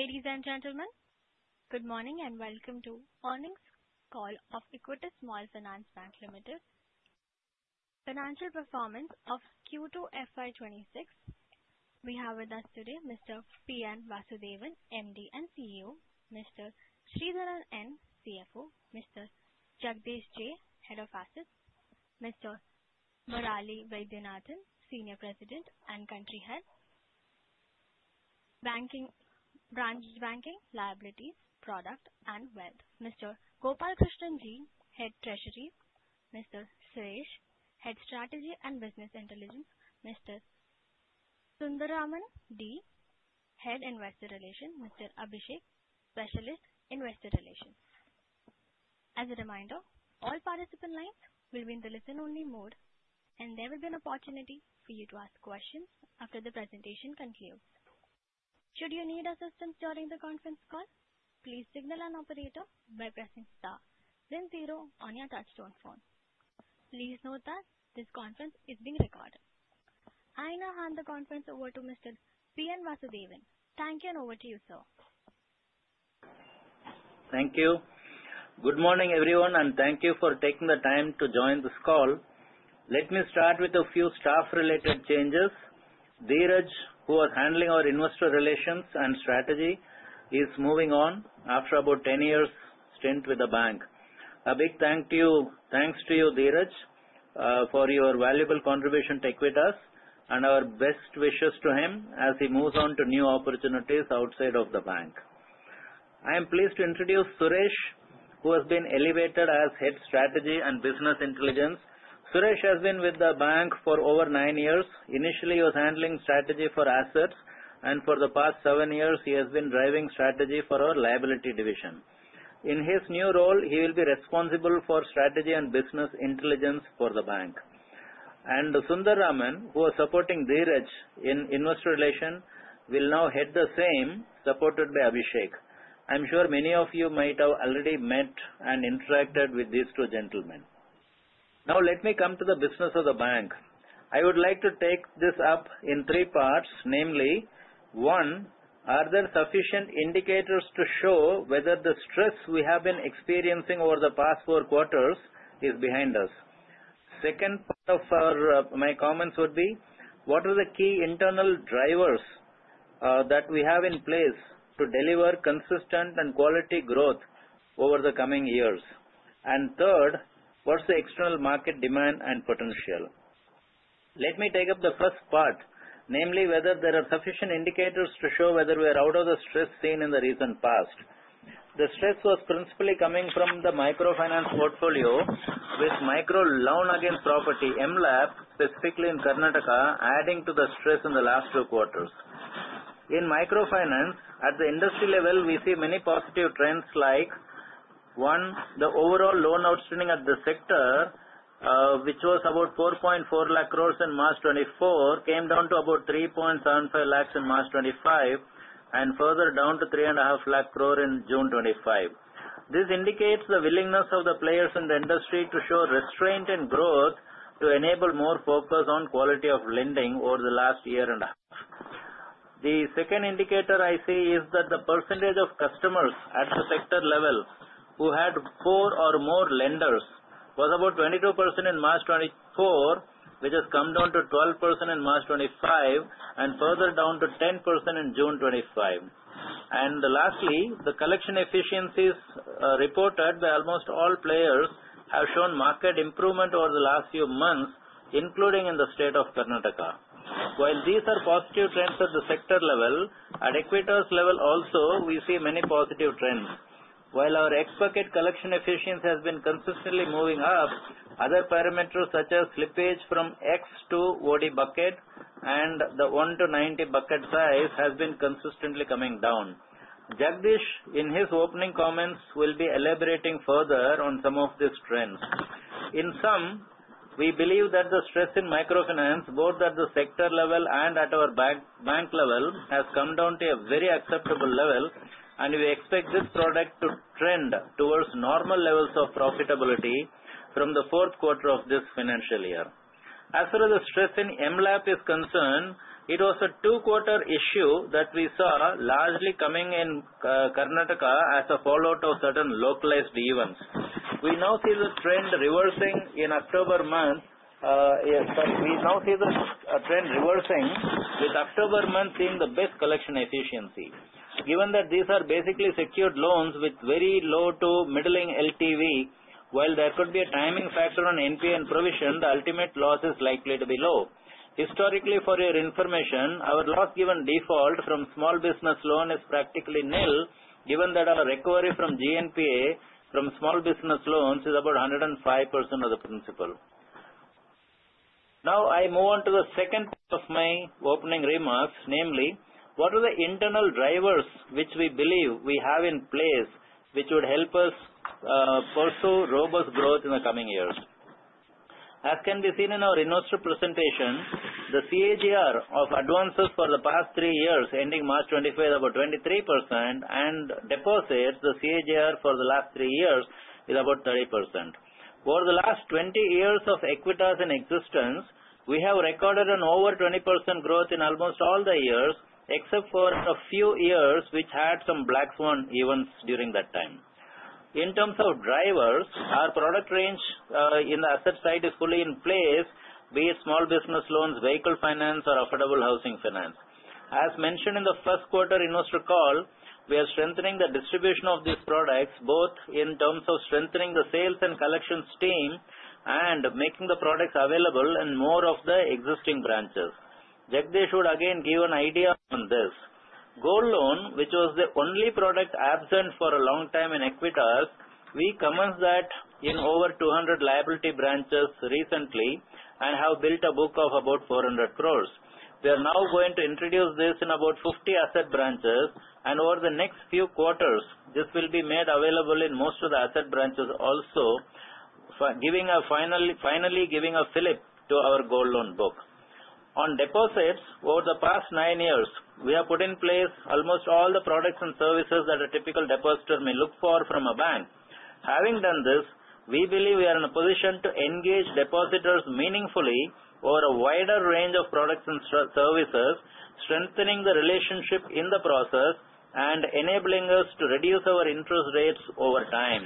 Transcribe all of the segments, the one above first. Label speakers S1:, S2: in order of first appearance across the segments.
S1: Ladies and gentlemen, good morning and welcome to Management's call of Equitas Small Finance Bank Limited Financial performance of Q2 FY26. We have with us today Mr. P. N. Vasudevan, MD and CEO, Mr. Sridharan N., CFO, Mr. Jagadesh J., Head of Assets, Mr. Murali Vaidyanathan, Senior President and Country Head, Branch Banking Liabilities, Product and Wealth, Mr. G. Gopalakrishnan, Head of Treasury, Mr. Suresh, Head of Strategy and Business Intelligence, Mr. Sundararaman D., Head of Investor Relations, Mr. Abeshek, Specialist Investor Relations. As a reminder, all participant lines will be in the listen-only mode, and there will be an opportunity for you to ask questions after the presentation concludes. Should you need assistance during the conference call, please signal an operator by pressing star, then zero on your touch-tone phone. Please note that this conference is being recorded. I now hand the conference over to Mr. P. N. Vasudevan. Thank you, and over to you, sir. Thank you. Good morning, everyone, and thank you for taking the time to join this call. Let me start with a few staff-related changes. Dheeraj, who was handling our investor relations and strategy, is moving on after about 10 years' stint with the bank. A big thanks to you, Dheeraj, for your valuable contribution to Equitas and our best wishes to him as he moves on to new opportunities outside of the bank. I am pleased to introduce Suresh, who has been elevated as Head Strategy and Business Intelligence. Suresh has been with the bank for over nine years. Initially, he was handling strategy for assets, and for the past seven years, he has been driving strategy for our liability division. In his new role, he will be responsible for strategy and business intelligence for the bank. Sundararaman, who was supporting Dheeraj in Investor Relations, will now head the same, supported by Abeshek. I'm sure many of you might have already met and interacted with these two gentlemen. Now, let me come to the business of the bank. I would like to take this up in three parts, namely: one, are there sufficient indicators to show whether the stress we have been experiencing over the past four quarters is behind us? Second, my comments would be, what are the key internal drivers that we have in place to deliver consistent and quality growth over the coming years? And third, what's the external market demand and potential? Let me take up the first part, namely whether there are sufficient indicators to show whether we are out of the stress seen in the recent past. The stress was principally coming from the microfinance portfolio with microloan against property, MLAP, specifically in Karnataka, adding to the stress in the last two quarters. In microfinance, at the industry level, we see many positive trends like: one, the overall loan outstanding at the sector, which was about 4.4 lakh crores in March 2024, came down to about 3.75 lakhs in March 2025, and further down to 3.5 lakh crore in June 2025. This indicates the willingness of the players in the industry to show restraint in growth to enable more focus on quality of lending over the last year and a half. The second indicator I see is that the percentage of customers at the sector level who had four or more lenders was about 22% in March 2024, which has come down to 12% in March 2025, and further down to 10% in June 2025. Lastly, the collection efficiencies reported by almost all players have shown market improvement over the last few months, including in the state of Karnataka. While these are positive trends at the sector level, at Equitas level also, we see many positive trends. While our ex-bucket collection efficiency has been consistently moving up, other parameters such as slippage from X to OD bucket and the 1-90 bucket size have been consistently coming down. Jagadesh, in his opening comments, will be elaborating further on some of these trends. In sum, we believe that the stress in microfinance, both at the sector level and at our bank level, has come down to a very acceptable level, and we expect this product to trend towards normal levels of profitability from the fourth quarter of this financial year. As far as the stress in MLAP is concerned, it was a two-quarter issue that we saw largely coming in Karnataka as a fallout of certain localized events. We now see the trend reversing in October month. We now see the trend reversing, with October month being the best collection efficiency. Given that these are basically secured loans with very low to middling LTV, while there could be a timing factor on NPA provision, the ultimate loss is likely to be low. Historically, for your information, our loss given default from small business loan is practically nil, given that our recovery from GNPA from small business loans is about 105% of the principal. Now, I move on to the second part of my opening remarks, namely what are the internal drivers which we believe we have in place which would help us pursue robust growth in the coming years? As can be seen in our investor presentation, the CAGR of advances for the past three years ending March 2025 is about 23%, and deposits, the CAGR for the last three years is about 30%. Over the last 20 years of Equitas in existence, we have recorded an over 20% growth in almost all the years, except for a few years which had some black swan events during that time. In terms of drivers, our product range in the asset side is fully in place, be it small business loans, vehicle finance, or affordable housing finance. As mentioned in the first quarter investor call, we are strengthening the distribution of these products, both in terms of strengthening the sales and collections team and making the products available in more of the existing branches. Jagadesh would again give an idea on this. Gold loan, which was the only product absent for a long time in Equitas, we commenced that in over 200 liability branches recently and have built a book of about 400 crores. We are now going to introduce this in about 50 asset branches, and over the next few quarters, this will be made available in most of the asset branches also, finally giving a fillip to our gold loan book. On deposits, over the past nine years, we have put in place almost all the products and services that a typical depositor may look for from a bank. Having done this, we believe we are in a position to engage depositors meaningfully over a wider range of products and services, strengthening the relationship in the process and enabling us to reduce our interest rates over time.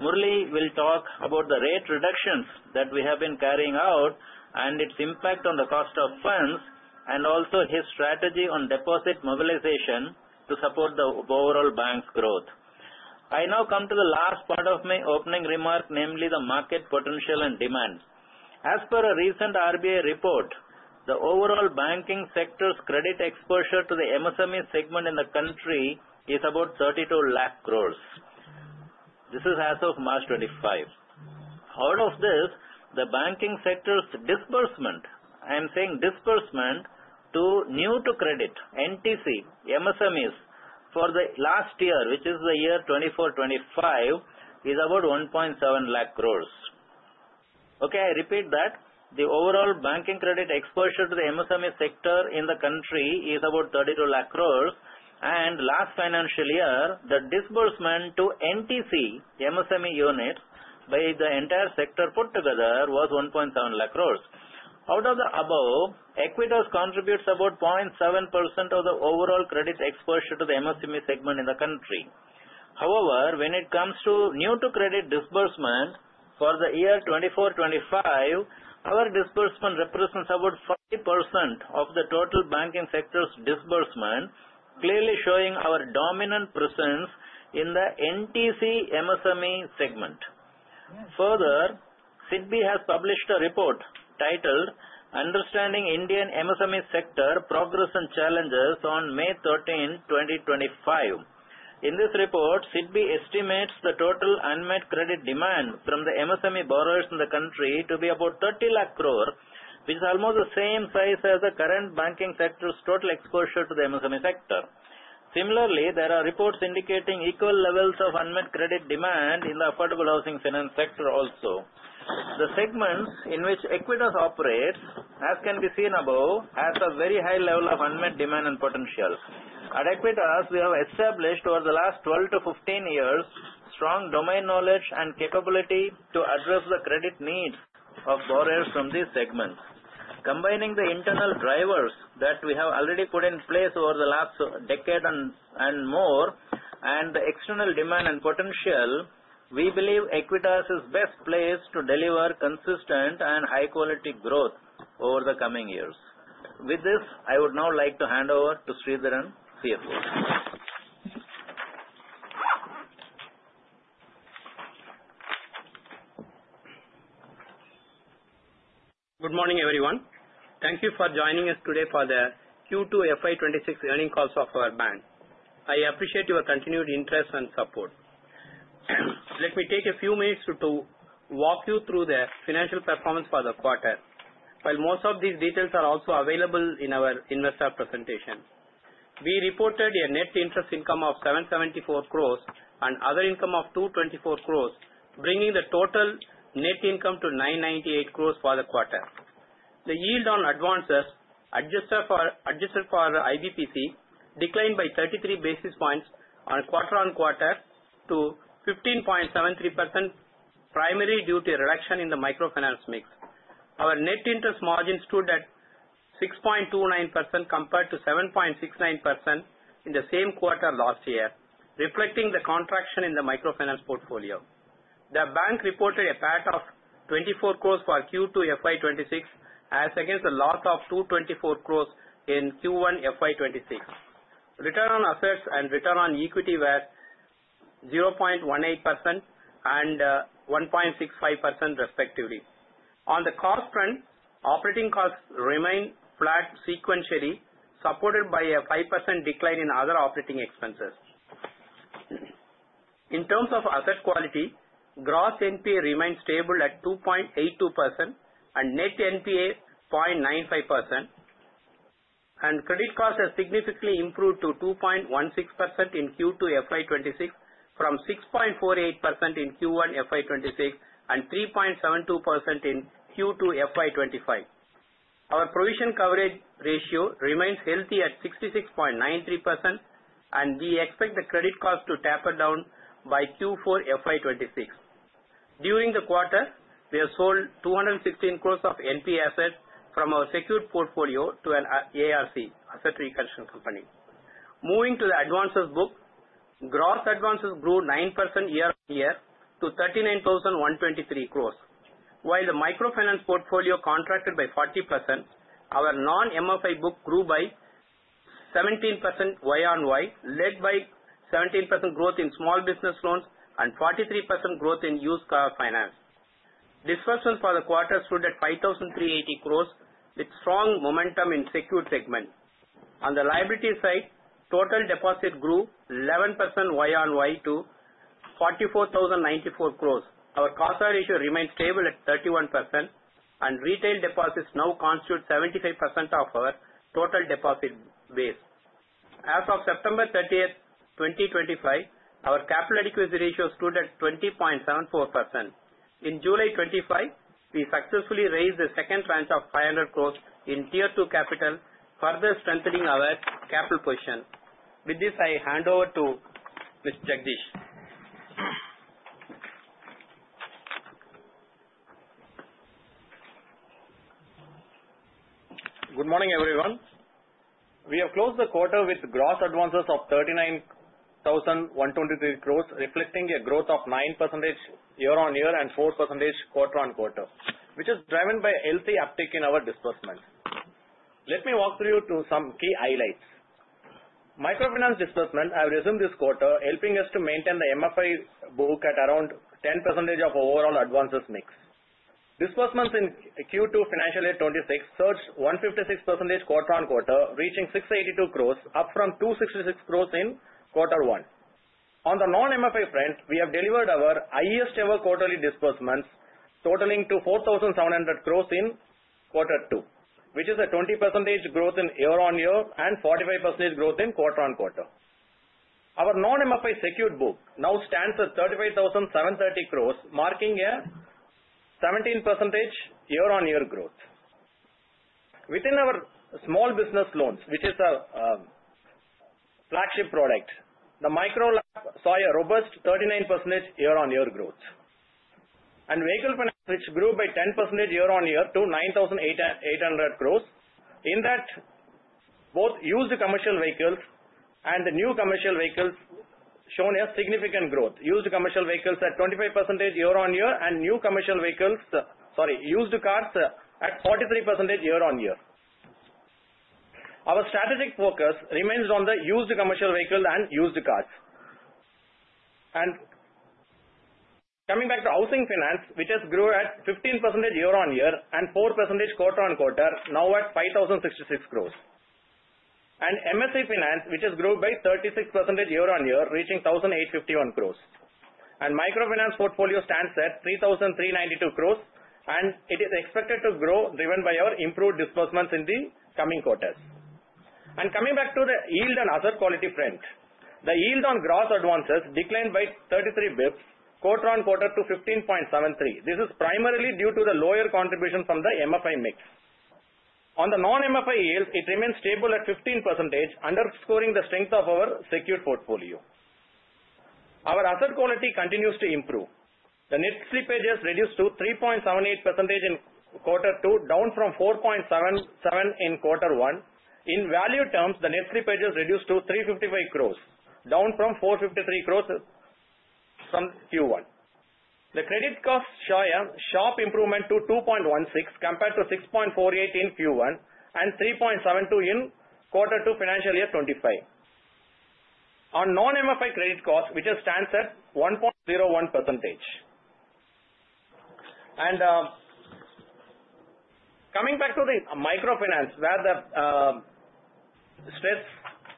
S1: Murali will talk about the rate reductions that we have been carrying out and its impact on the cost of funds, and also his strategy on deposit mobilization to support the overall bank's growth. I now come to the last part of my opening remark, namely the market potential and demand. As per a recent RBI report, the overall banking sector's credit exposure to the MSME segment in the country is about 32 lakh crores. This is as of March 2025. Out of this, the banking sector's disbursement, I'm saying disbursement to new-to-credit NTC, MSMEs, for the last year, which is the year 2024-2025, is about 1.7 lakh crores. Okay, I repeat that. The overall banking credit exposure to the MSME sector in the country is about 32 lakh crores, and last financial year, the disbursement to NTC, MSME unit, by the entire sector put together was 1.7 lakh crores. Out of the above, Equitas contributes about 0.7% of the overall credit exposure to the MSME segment in the country. However, when it comes to new-to-credit disbursement for the year 2024-2025, our disbursement represents about 40% of the total banking sector's disbursement, clearly showing our dominant presence in the NTC MSME segment. Further, SIDBI has published a report titled "Understanding Indian MSME Sector Progress and Challenges" on May 13, 2025. In this report, SIDBI estimates the total unmet credit demand from the MSME borrowers in the country to be about 30 lakh crore, which is almost the same size as the current banking sector's total exposure to the MSME sector. Similarly, there are reports indicating equal levels of unmet credit demand in the affordable housing finance sector also. The segments in which Equitas operates, as can be seen above, have a very high level of unmet demand and potential. At Equitas, we have established over the last 12 to 15 years strong domain knowledge and capability to address the credit needs of borrowers from these segments. Combining the internal drivers that we have already put in place over the last decade and more, and the external demand and potential, we believe Equitas is best placed to deliver consistent and high-quality growth over the coming years. With this, I would now like to hand over to Sridharan, CFO.
S2: Good morning, everyone. Thank you for joining us today for the Q2 FY26 earnings call of our bank. I appreciate your continued interest and support. Let me take a few minutes to walk you through the financial performance for the quarter, while most of these details are also available in our investor presentation. We reported a net interest income of 774 crores and other income of 224 crores, bringing the total net income to 998 crores for the quarter. The yield on advances, adjusted for IBPC, declined by 33 basis points on quarter-on-quarter to 15.73%, primarily due to a reduction in the microfinance mix. Our net interest margin stood at 6.29% compared to 7.69% in the same quarter last year, reflecting the contraction in the microfinance portfolio. The bank reported a PAT of 24 crores for Q2 FY26, as against a loss of 224 crores in Q1 FY26. Return on assets and return on equity were 0.18% and 1.65%, respectively. On the cost trend, operating costs remained flat sequentially, supported by a 5% decline in other operating expenses. In terms of asset quality, gross NPA remained stable at 2.82% and net NPA 0.95%, and credit costs have significantly improved to 2.16% in Q2 FY26 from 6.48% in Q1 FY26 and 3.72% in Q2 FY25. Our provision coverage ratio remains healthy at 66.93%, and we expect the credit costs to taper down by Q4 FY26. During the quarter, we have sold 216 crores of NP assets from our secured portfolio to an ARC, Asset Reconstruction Company. Moving to the advances book, gross advances grew 9% year-on-year to 39,123 crores. While the microfinance portfolio contracted by 40%, our non-MFI book grew by 17% Y-on-Y, led by 17% growth in small business loans and 43% growth in used car finance. Disbursements for the quarter stood at 5,380 crores, with strong momentum in secured segment. On the liability side, total deposit grew 11% Y-on-Y to 44,094 crores. Our cost ratio remained stable at 31%, and retail deposits now constitute 75% of our total deposit base. As of September 30, 2025, our capital adequacy ratio stood at 20.74%. In July 2025, we successfully raised the second tranche of 500 crores in Tier II Capital, further strengthening our capital position. With this, I hand over to Mr. Jagadesh.
S3: Good morning, everyone. We have closed the quarter with gross advances of 39,123 crores, reflecting a growth of 9% year-on-year and 4% quarter-on-quarter, which is driven by healthy uptake in our disbursement. Let me walk through some key highlights. Microfinance disbursement has resumed this quarter, helping us to maintain the MFI book at around 10% of overall advances mix. Disbursements in Q2 Financial Year 2026 surged 156% quarter-on-quarter, reaching 682 crores, up from 266 crores in Q1. On the non-MFI front, we have delivered our highest-ever quarterly disbursements, totaling to 4,700 crores in Q2, which is a 20% growth in year-on-year and 45% growth in quarter-on-quarter. Our non-MFI secured book now stands at 35,730 crores, marking a 17% year-on-year growth. Within our small business loans, which is our flagship product, the Micro LAP saw a robust 39% year-on-year growth. Vehicle finance, which grew by 10% year-on-year to 9,800 crores, in that both used commercial vehicles and new commercial vehicles showed a significant growth. Used commercial vehicles at 25% year-on-year and used cars at 43% year-on-year. Our strategic focus remains on the used commercial vehicles and used cars. Coming back to housing finance, which has grown at 15% year-on-year and 4% quarter-on-quarter, now at 5,066 crores. MSE finance, which has grown by 36% year-on-year, reaching 1,851 crores. Microfinance portfolio stands at 3,392 crores, and it is expected to grow, driven by our improved disbursements in the coming quarters. Coming back to the yield and asset quality front, the yield on gross advances declined by 33 basis points, quarter-on-quarter to 15.73. This is primarily due to the lower contribution from the MFI mix. On the non-MFI yield, it remains stable at 15%, underscoring the strength of our secured portfolio. Our asset quality continues to improve. The net slippage has reduced to 3.78% in Q2, down from 4.77% in Q1. In value terms, the net slippage has reduced to 355 crores, down from 453 crores from Q1. The credit costs show a sharp improvement to 2.16% compared to 6.48% in Q1 and 3.72% in Q2 Financial Year 2025. On non-MFI credit costs, which stands at 1.01%, and coming back to the microfinance, where the stress,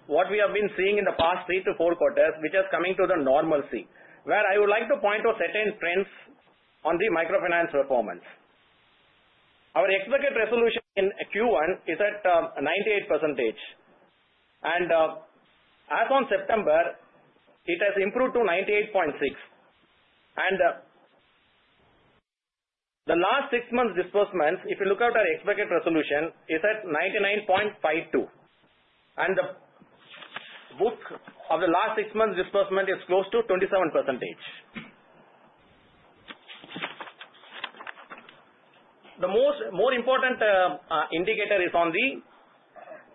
S3: what we have been seeing in the past three to four quarters, which is coming to the normalcy, where I would like to point to certain trends on the microfinance performance. Our executive resolution in Q1 is at 98%. And as of September, it has improved to 98.6%. And the last six months' disbursements, if you look at our executive resolution, is at 99.52%. And the book of the last six months' disbursement is close to 27%. The most important indicator is on the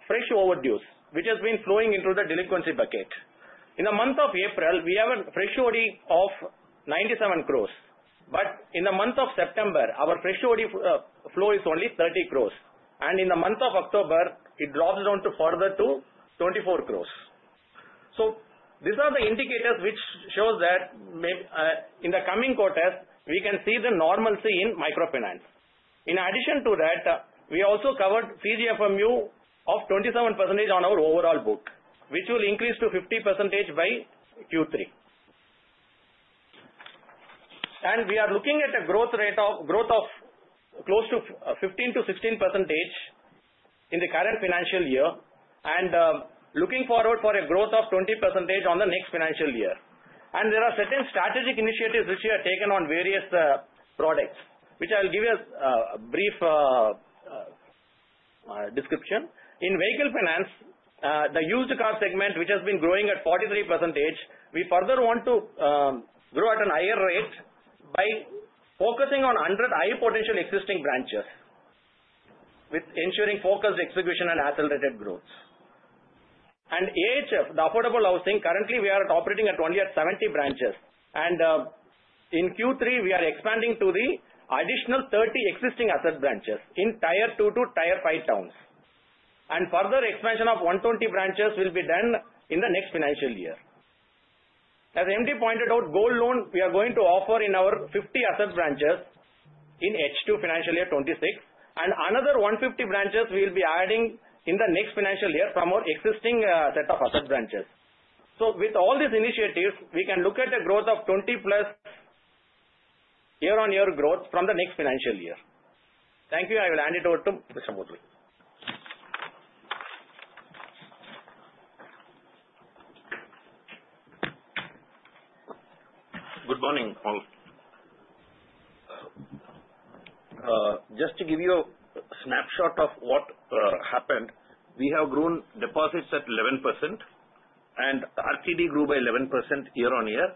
S3: fresh overdues, which has been flowing into the delinquency bucket. In the month of April, we have a fresh overdue of 97 crores. But in the month of September, our fresh overdue flow is only 30 crores. And in the month of October, it drops down further to 24 crores. So these are the indicators which show that in the coming quarters, we can see the normalcy in microfinance. In addition to that, we also covered CGFMU of 27% on our overall book, which will increase to 50% by Q3. We are looking at a growth rate of close to 15%-16% in the current financial year, and looking forward for a growth of 20% on the next financial year. There are certain strategic initiatives which we have taken on various products, which I'll give you a brief description. In vehicle finance, the used car segment, which has been growing at 43%, we further want to grow at a higher rate by focusing on 100 high-potential existing branches, with ensuring focused execution and accelerated growth. AHF, the affordable housing, currently we are operating at only 70 branches. In Q3, we are expanding to the additional 30 existing asset branches in Tier II to Tier V towns. Further expansion of 120 branches will be done in the next financial year. As MD pointed out, gold loan we are going to offer in our 50 asset branches in H2 Financial Year 2026, and another 150 branches we will be adding in the next financial year from our existing set of asset branches. So with all these initiatives, we can look at a growth of 20% plus year-on-year growth from the next financial year. Thank you. I will hand it over to Mr. Murali.
S4: Good morning, all. Just to give you a snapshot of what happened, we have grown deposits at 11%, and RTD grew by 11% year-on-year.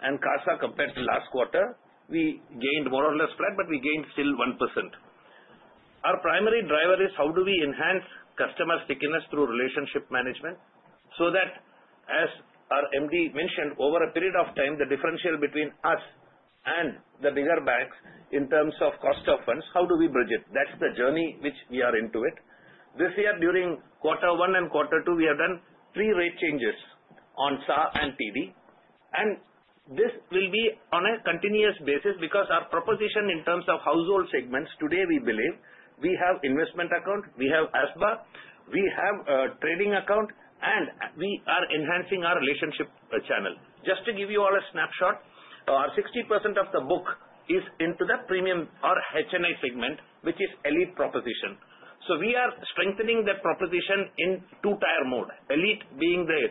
S4: CASA compared to last quarter, we gained more or less flat, but we gained still 1%. Our primary driver is how do we enhance customer stickiness through relationship management so that, as our MD mentioned, over a period of time, the differential between us and the bigger banks in terms of cost of funds, how do we bridge it? That's the journey which we are into it. This year, during Q1 and Q2, we have done three rate changes on SAR and TD, and this will be on a continuous basis because our proposition in terms of household segments, today we believe we have investment account, we have ASBA, we have trading account, and we are enhancing our relationship channel. Just to give you all a snapshot, our 60% of the book is into the premium or HNI segment, which is elite proposition. So we are strengthening that proposition in two-tier mode. Elite being the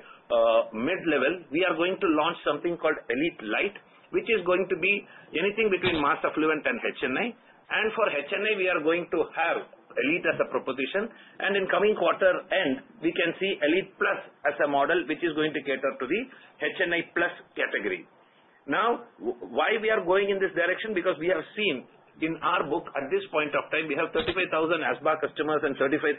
S4: mid-level, we are going to launch something called Elite Light, which is going to be anything between Mass Affluent and HNI, and for HNI, we are going to have Elite as a proposition. And in coming quarter end, we can see Elite Plus as a model, which is going to cater to the HNI Plus category. Now, why we are going in this direction? Because we have seen in our book at this point of time, we have 35,000 ASBA customers and 35,000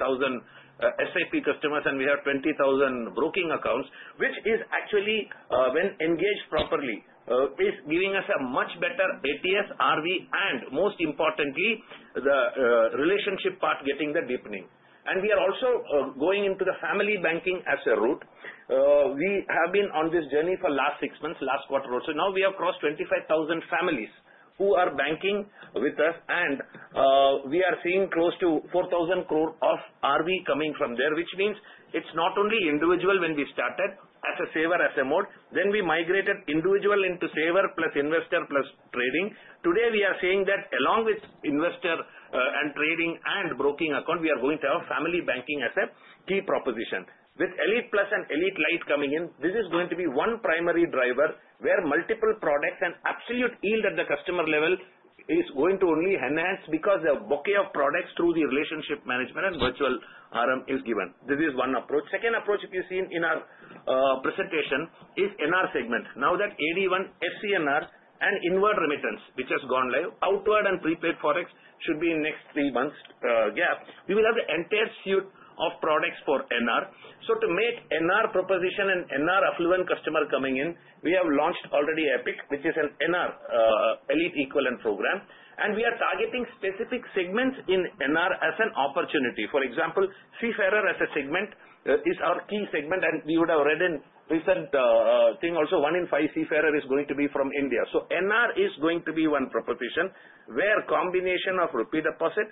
S4: SAP customers, and we have 20,000 broking accounts, which is actually, when engaged properly, is giving us a much better ATS, RV, and most importantly, the relationship part getting the deepening. And we are also going into the family banking as a route. We have been on this journey for the last six months, last quarter also. Now we have crossed 25,000 families who are banking with us, and we are seeing close to 4,000 crore of RV coming from there, which means it's not only individual when we started as a saver asset mode. Then we migrated individual into saver plus investor plus trading. Today, we are seeing that along with investor and trading and broking account, we are going to have family banking as a key proposition. With Elite Plus and Elite Light coming in, this is going to be one primary driver where multiple products and absolute yield at the customer level is going to only enhance because the bouquet of products through the relationship management and virtual arm is given. This is one approach. Second approach, if you've seen in our presentation, is NR segment. Now that AD1, FCNRs, and inward remittance, which has gone live, outward and prepaid Forex should be in the next three months' gap, we will have the entire suite of products for NR, so to make NR proposition and NR affluent customer coming in, we have launched already EPIC, which is an NR elite equivalent program, and we are targeting specific segments in NR as an opportunity. For example, Seafarer as a segment is our key segment, and we would have read in recent thing also one in five Seafarer is going to be from India, so NR is going to be one proposition where a combination of repeat deposit,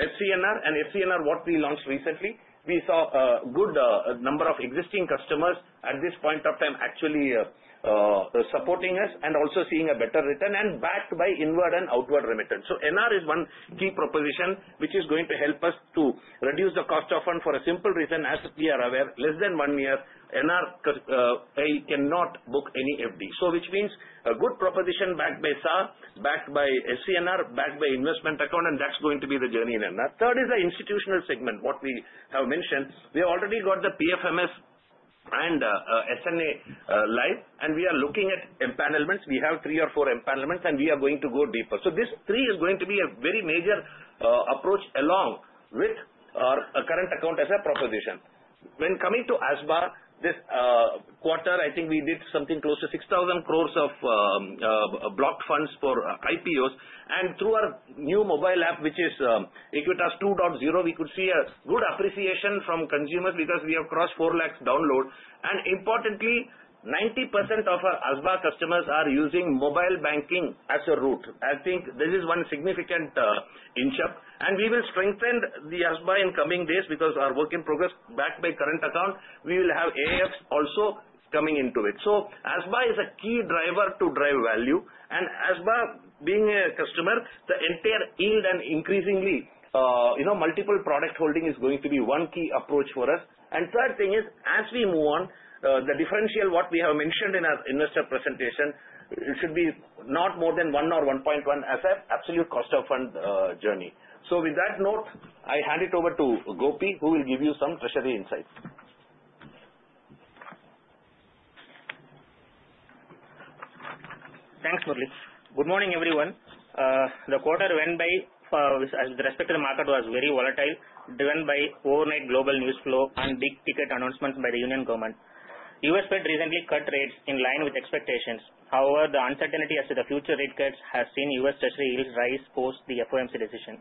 S4: FCNR, and FCNR, what we launched recently, we saw a good number of existing customers at this point of time actually supporting us and also seeing a better return and backed by inward and outward remittance. NR is one key proposition which is going to help us to reduce the cost of fund for a simple reason, as we are aware. Less than one year, NR cannot book any FD. So which means a good proposition backed by SAR, backed by FCNR, backed by investment account, and that's going to be the journey in NR. Third is the institutional segment, what we have mentioned. We have already got the PFMS and SNA live, and we are looking at empanelments. We have three or four empanelments, and we are going to go deeper. So these three are going to be a very major approach along with our current account as a proposition. When coming to ASBA, this quarter, I think we did something close to 6,000 crores of blocked funds for IPOs. Through our new mobile app, which is Equitas 2.0, we could see a good appreciation from consumers because we have crossed four lakhs downloads. Importantly, 90% of our ASBA customers are using mobile banking as a route. I think this is one significant insight. We will strengthen the ASBA in coming days because our work in progress backed by current accounts, we will have CASA also coming into it. So ASBA is a key driver to drive value. ASBA being a customer, the entire yield and increasingly multiple product holding is going to be one key approach for us. And third thing is, as we move on, the differential, what we have mentioned in our investor presentation, it should be not more than one or 1.1% asset, absolute cost of funds journey. So with that note, I hand it over to Gopi, who will give you some treasury insights.
S5: Thanks, Murali. Good morning, everyone. The quarter went by, with respect to the market, was very volatile, driven by overnight global news flow and big-ticket announcements by the Union Government. U.S. Fed recently cut rates in line with expectations. However, the uncertainty as to the future rate cuts has seen U.S. Treasury yields rise post the FOMC decision.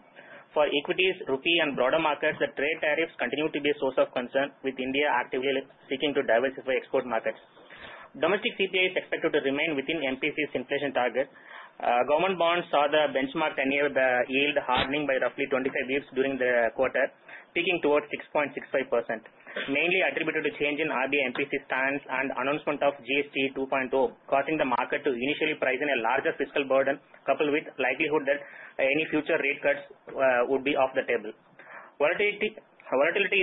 S5: For equities, Rupee, and broader markets, the trade tariffs continue to be a source of concern, with India actively seeking to diversify export markets. Domestic CPI is expected to remain within MPC's inflation target. Government bonds saw the benchmark 10-year yield hardening by roughly 25 basis points during the quarter, peaking towards 6.65%, mainly attributed to changes in RBI MPC's stance and announcement of GST 2.0, causing the market to initially price in a larger fiscal burden, coupled with the likelihood that any future rate cuts would be off the table. Volatility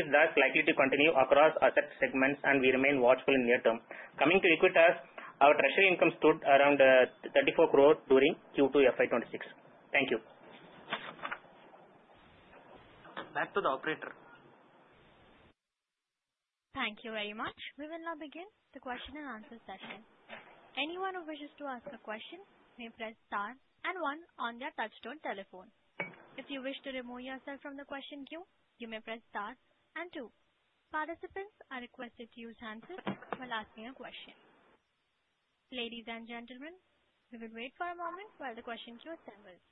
S5: is thus likely to continue across asset segments, and we remain watchful in the near term. Coming to Equitas, our treasury income stood around 34 crore during Q2 FY26. Thank you. Back to the operator.
S1: Thank you very much. We will now begin the question and answer session. Anyone who wishes to ask a question may press star and one on their touch-tone telephone. If you wish to remove yourself from the question queue, you may press star and two. Participants are requested to use the handset while asking a question. Ladies and gentlemen, we will wait for a moment while the question queue assembles.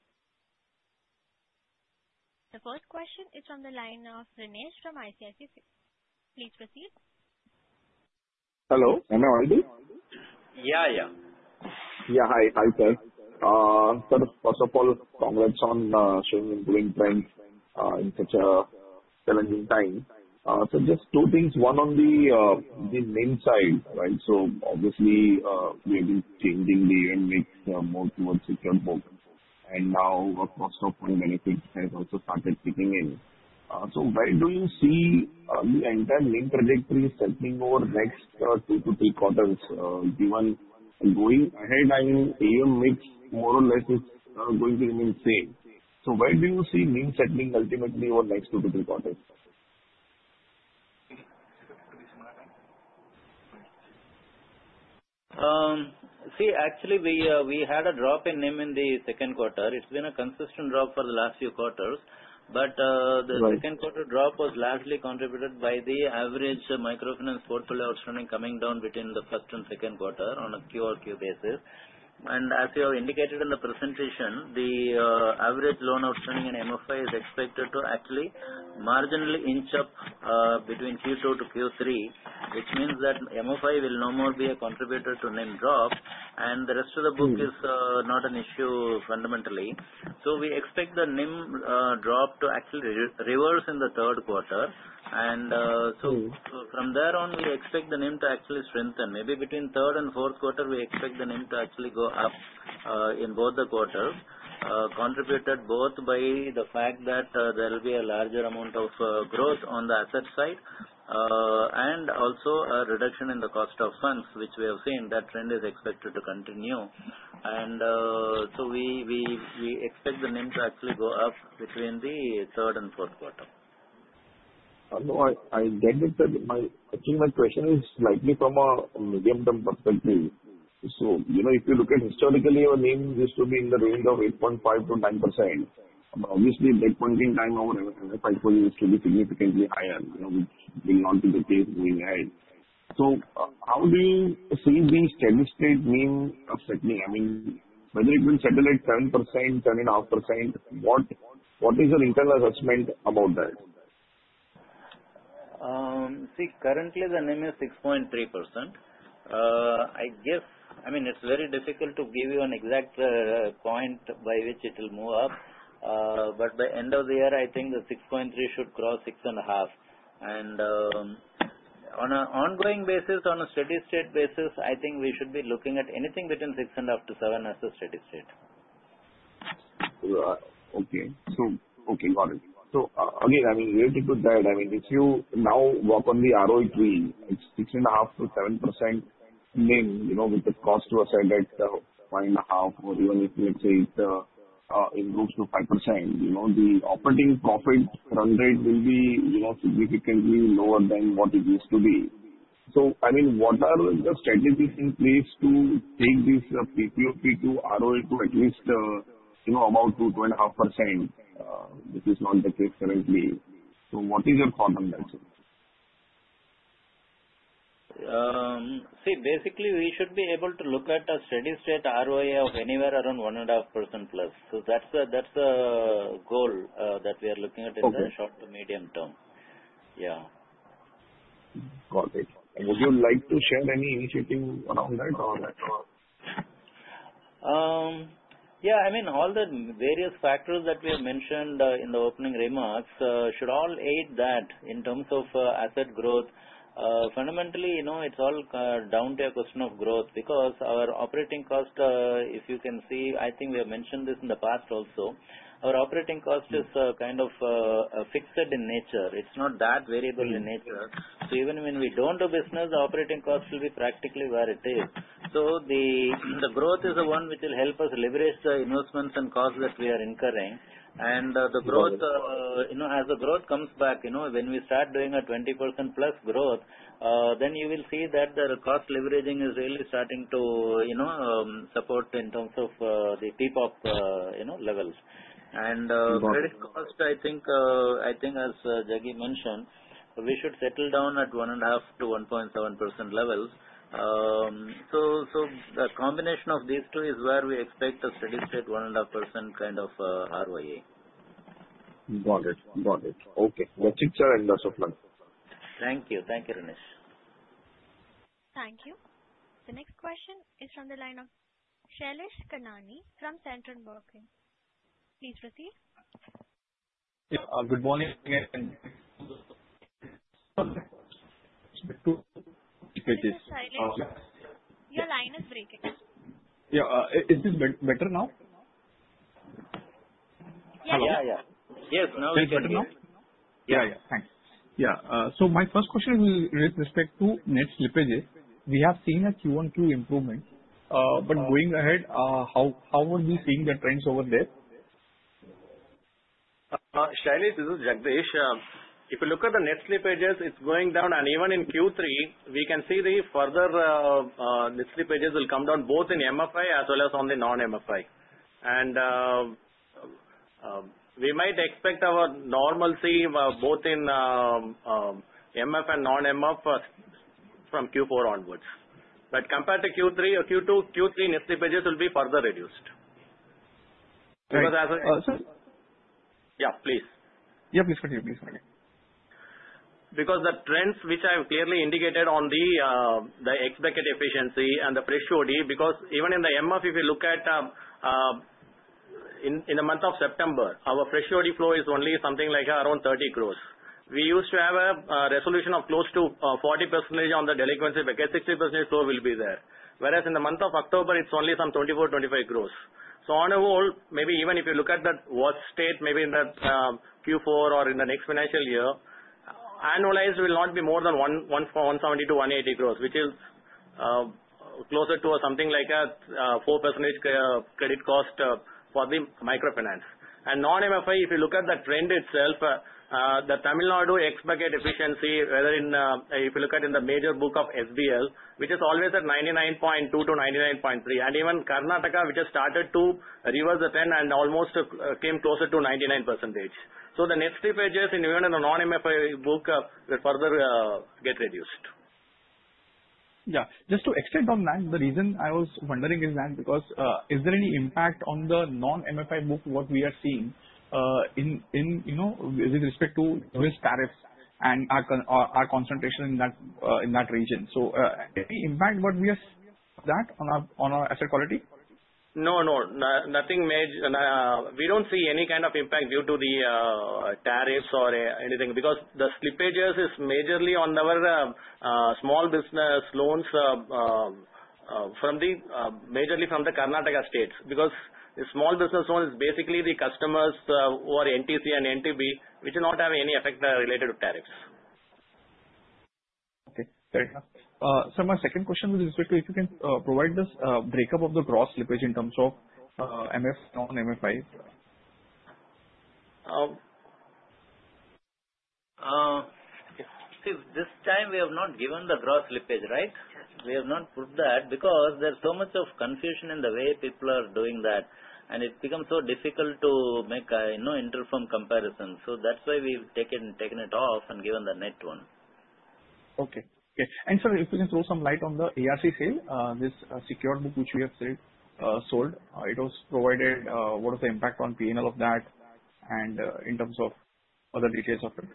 S1: The first question is from the line of Renish from ICICI Securities. Please proceed.
S6: Hello. Am I audible?
S3: Yeah, yeah.
S6: Yeah, hi. Hi, sir. Sir, first of all, congrats on showing good trends in such a challenging time. So just two things. One on the NIM side, right? So obviously, we have been changing the AM mix more towards the book. And now, cost of funds benefit has also started kicking in. So where do you see the entire NIM trajectory settling over the next two to three quarters? Given going ahead, I mean, AM mix more or less is going to remain the same. So where do you see NIM settling ultimately over the next two to three quarters?
S7: See, actually, we had a drop in NIM in the second quarter. It's been a consistent drop for the last few quarters. But the second quarter drop was largely contributed by the average microfinance portfolio outstanding coming down between the first and second quarter on a Q-o-Q basis. And as you have indicated in the presentation, the average loan outstanding in MFI is expected to actually marginally inch up between Q2 to Q3, which means that MFI will no more be a contributor to NIM drop, and the rest of the book is not an issue fundamentally. So we expect the NIM drop to actually reverse in the Q3. And so from there on, we expect the NIM to actually strengthen. Maybe between Q3 and Q4, we expect the NIM to actually go up in both the quarters, contributed both by the fact that there will be a larger amount of growth on the asset side and also a reduction in the cost of funds, which we have seen that trend is expected to continue. And so we expect the NIM to actually go up between Q3 and Q4.
S6: I get it. My question is slightly from a medium-term perspective. So if you look at historically, our NIM used to be in the range of 8.5%-9%. Obviously, net banking time over MFI portfolio used to be significantly higher, which will not be the case moving ahead. So how do you see the steady state NIM settling? I mean, whether it will settle at 7%-7.5%, what is your internal assessment about that?
S7: See, currently, the NIM is 6.3%. I guess, I mean, it's very difficult to give you an exact point by which it will move up. But by the end of the year, I think the 6.3% should cross 6.5%. And on an ongoing basis, on a steady state basis, I think we should be looking at anything between 6.5%-7% as a steady state.
S6: Okay. So okay, got it. So again, I mean, related to that, I mean, if you now work on the ROE tree, it's 6.5%-7% NIM with the cost to asset at 5.5%, or even if, let's say, it's improved to 5%, the operating profit run rate will be significantly lower than what it used to be. So I mean, what are the strategies in place to take this PPOP to ROE to at least about 2%-2.5%, which is not the case currently? So what is your thought on that?
S7: See, basically, we should be able to look at a steady state ROE of anywhere around 1.5% plus. So that's the goal that we are looking at in the short to medium term. Yeah.
S6: Got it. Would you like to share any initiative around that or?
S7: Yeah. I mean, all the various factors that we have mentioned in the opening remarks should all aid that in terms of asset growth. Fundamentally, it's all down to a question of growth because our operating cost, if you can see, I think we have mentioned this in the past also, our operating cost is kind of fixed in nature. It's not that variable in nature. So even when we don't do business, the operating cost will be practically where it is. So the growth is the one which will help us leverage the investments and costs that we are incurring. And the growth, as the growth comes back, when we start doing a 20%+ growth, then you will see that the cost leveraging is really starting to support in terms of the PPOP levels. Credit cost, I think, as Jagadesh mentioned, we should settle down at 1.5%-1.7% levels. The combination of these two is where we expect a steady state 1.5% kind of ROE.
S6: Got it. Got it. Okay. That's it, sir. And lots of luck.
S7: Thank you. Thank you, Rinesh.
S1: Thank you. The next question is from the line of Shailesh Kanani from Centrum Broking. Please proceed.
S8: Good morning again.
S1: Hi, Shailesh. Your line is breaking.
S8: Yeah. Is this better now?
S1: Yeah.
S3: Yeah, yeah. Yes. Now it's better now?
S8: Yeah, yeah. Thanks. Yeah. So my first question is with respect to net slippages. We have seen a Q1, Q2 improvement. But going ahead, how are we seeing the trends over there?
S3: Shailesh, this is Jagadesh. If you look at the net slippages, it's going down. And even in Q3, we can see the further net slippages will come down both in MFI as well as on the non-MFI. And we might expect our normalcy both in MF and non-MF from Q4 onwards. But compared to Q2, Q3 net slippages will be further reduced. Because the trends which I have clearly indicated on the expected efficiency and the fresh OD, because even in the MF, if you look at in the month of September, our fresh OD flow is only something like around 30 crores. We used to have a resolution of close to 40% on the delinquency, but 60% flow will be there. Whereas in the month of October, it's only some 24, 25 crores. So on the whole, maybe even if you look at the worst state, maybe in Q4 or in the next financial year, annualized will not be more than 170 to 180 crores, which is closer to something like a 4% credit cost for the microfinance. Non-MFI, if you look at the trend itself, the Tamil Nadu X bucket efficiency, whether if you look at in the major book of SBL, which is always at 99.2%-99.3%, and even Karnataka, which has started to reverse the trend and almost came closer to 99%. The net slippages in even the non-MFI book will further get reduced.
S8: Yeah. Just to extend on that, the reason I was wondering is that because is there any impact on the non-MFI book what we are seeing with respect to U.S. tariffs and our concentration in that region? So any impact what we are seeing on that, on our asset quality?
S3: No, no. Nothing major. We don't see any kind of impact due to the tariffs or anything because the slippages is majorly on our small business loans majorly from the Karnataka states because the small business loan is basically the customers who are NTC and NTB, which do not have any effect related to tariffs.
S8: Okay. Very good. So my second question with respect to if you can provide this breakup of the gross slippage in terms of MF, non-MFI?
S3: See, this time we have not given the gross slippage, right? We have not put that because there's so much of confusion in the way people are doing that. And it becomes so difficult to make interim comparisons. So that's why we've taken it off and given the net one.
S8: And sir, if you can throw some light on the ARC sale, this secured book which we have sold, it was provisioned, what was the impact on P&L of that and in terms of other details of it?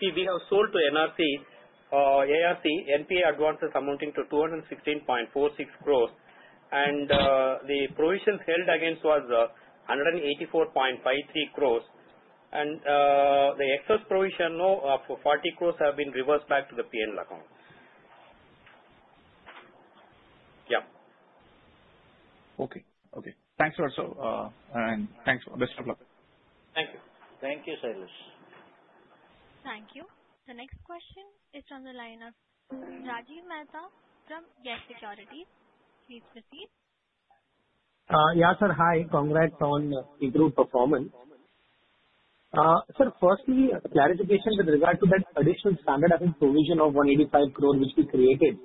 S3: See, we have sold to NRC, ARC, NPA Advances amounting to 216.46 crores. And the provisions held against was 184.53 crores. And the excess provision for 40 crores have been reversed back to the P&L account. Yeah.
S8: Okay. Okay. Thanks a lot, sir. And thanks. Best of luck.
S3: Thank you. Thank you, Shailesh.
S1: Thank you. The next question is from the line of Rajiv Mehta from YES Securities. Please proceed.
S9: Yeah, sir. Hi. Congrats on improved performance. Sir, firstly, clarification with regard to that additional standard asset provision of 185 crore which we created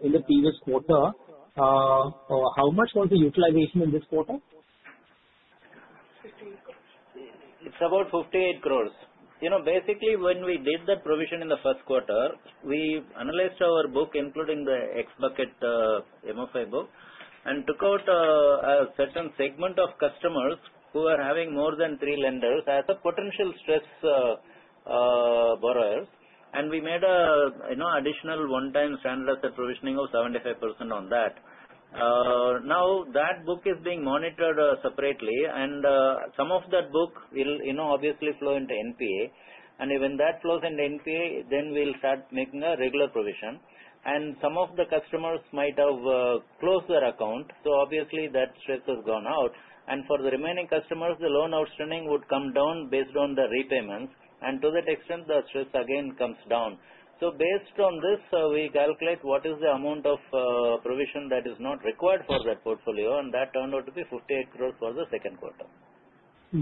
S9: in the previous quarter. How much was the utilization in this quarter?
S7: It's about 58 crores. Basically, when we did that provision in the first quarter, we analyzed our book, including the ex-bucket MFI book, and took out a certain segment of customers who are having more than three lenders as potential stress borrowers. We made an additional one-time standardized provisioning of 75% on that. Now, that book is being monitored separately. Some of that book will obviously flow into NPA. When that flows into NPA, then we'll start making a regular provision. Some of the customers might have closed their account. That stress has obviously gone out. For the remaining customers, the loan outstanding would come down based on the repayments. To that extent, the stress again comes down. Based on this, we calculate what is the amount of provision that is not required for that portfolio. That turned out to be 58 crores for the second quarter.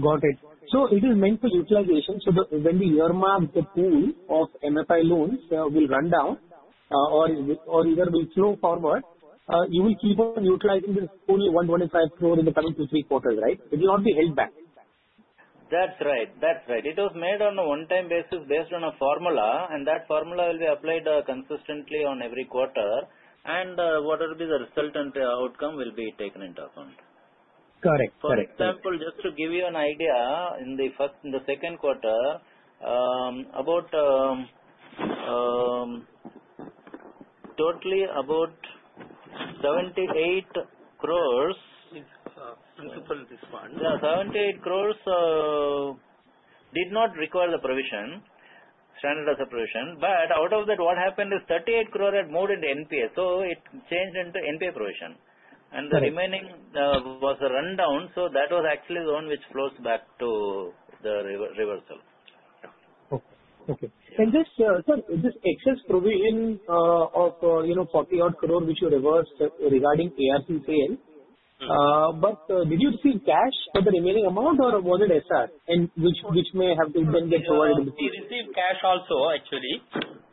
S9: Got it. So it is meant for utilization. So when the year mark, the pool of MFI loans will run down or either will flow forward, you will keep on utilizing this pool of 125 crores in the coming two, three quarters, right? It will not be held back.
S7: That's right. That's right. It was made on a one-time basis based on a formula, and that formula will be applied consistently on every quarter, and whatever be the resultant outcome will be taken into account.
S9: Correct.
S7: For example, just to give you an idea, in the second quarter, about 78 crores.
S9: It's principal this one.
S7: Yeah. 78 crores did not require the provision, standardized provision. But out of that, what happened is 38 crores had moved into NPA. So it changed into NPA provision. And the remaining was the rundown. So that was actually the one which flows back to the reversal.
S9: Just, sir, this excess provision of 48 crores which you reversed regarding ARC sale, but did you receive cash for the remaining amount, or was it SR, which may have been provided in the same?
S2: We received cash also, actually.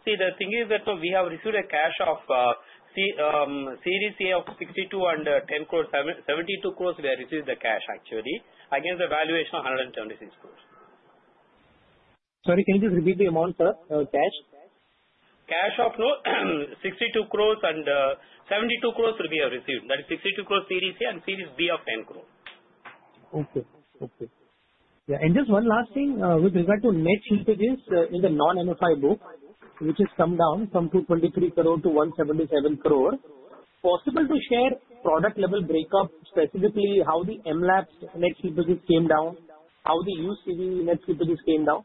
S2: See, the thing is that we have received a cash of Series A of 62 and 10 crores. 72 crores, we have received the cash, actually, against the valuation of 176 crores.
S9: Sorry, can you just repeat the amount, sir? Cash?
S2: Cash of 62 crores and 72 crores we have received. That is 62 crores Series A and Series B of 10 crores.
S9: Okay. Yeah, and just one last thing with regard to net slippages in the non-MFI book, which has come down from 223 crores to 177 crores. Possible to share product-level breakup, specifically how the MLAPs Net Slippages came down, how the used CV Net Slippages came down?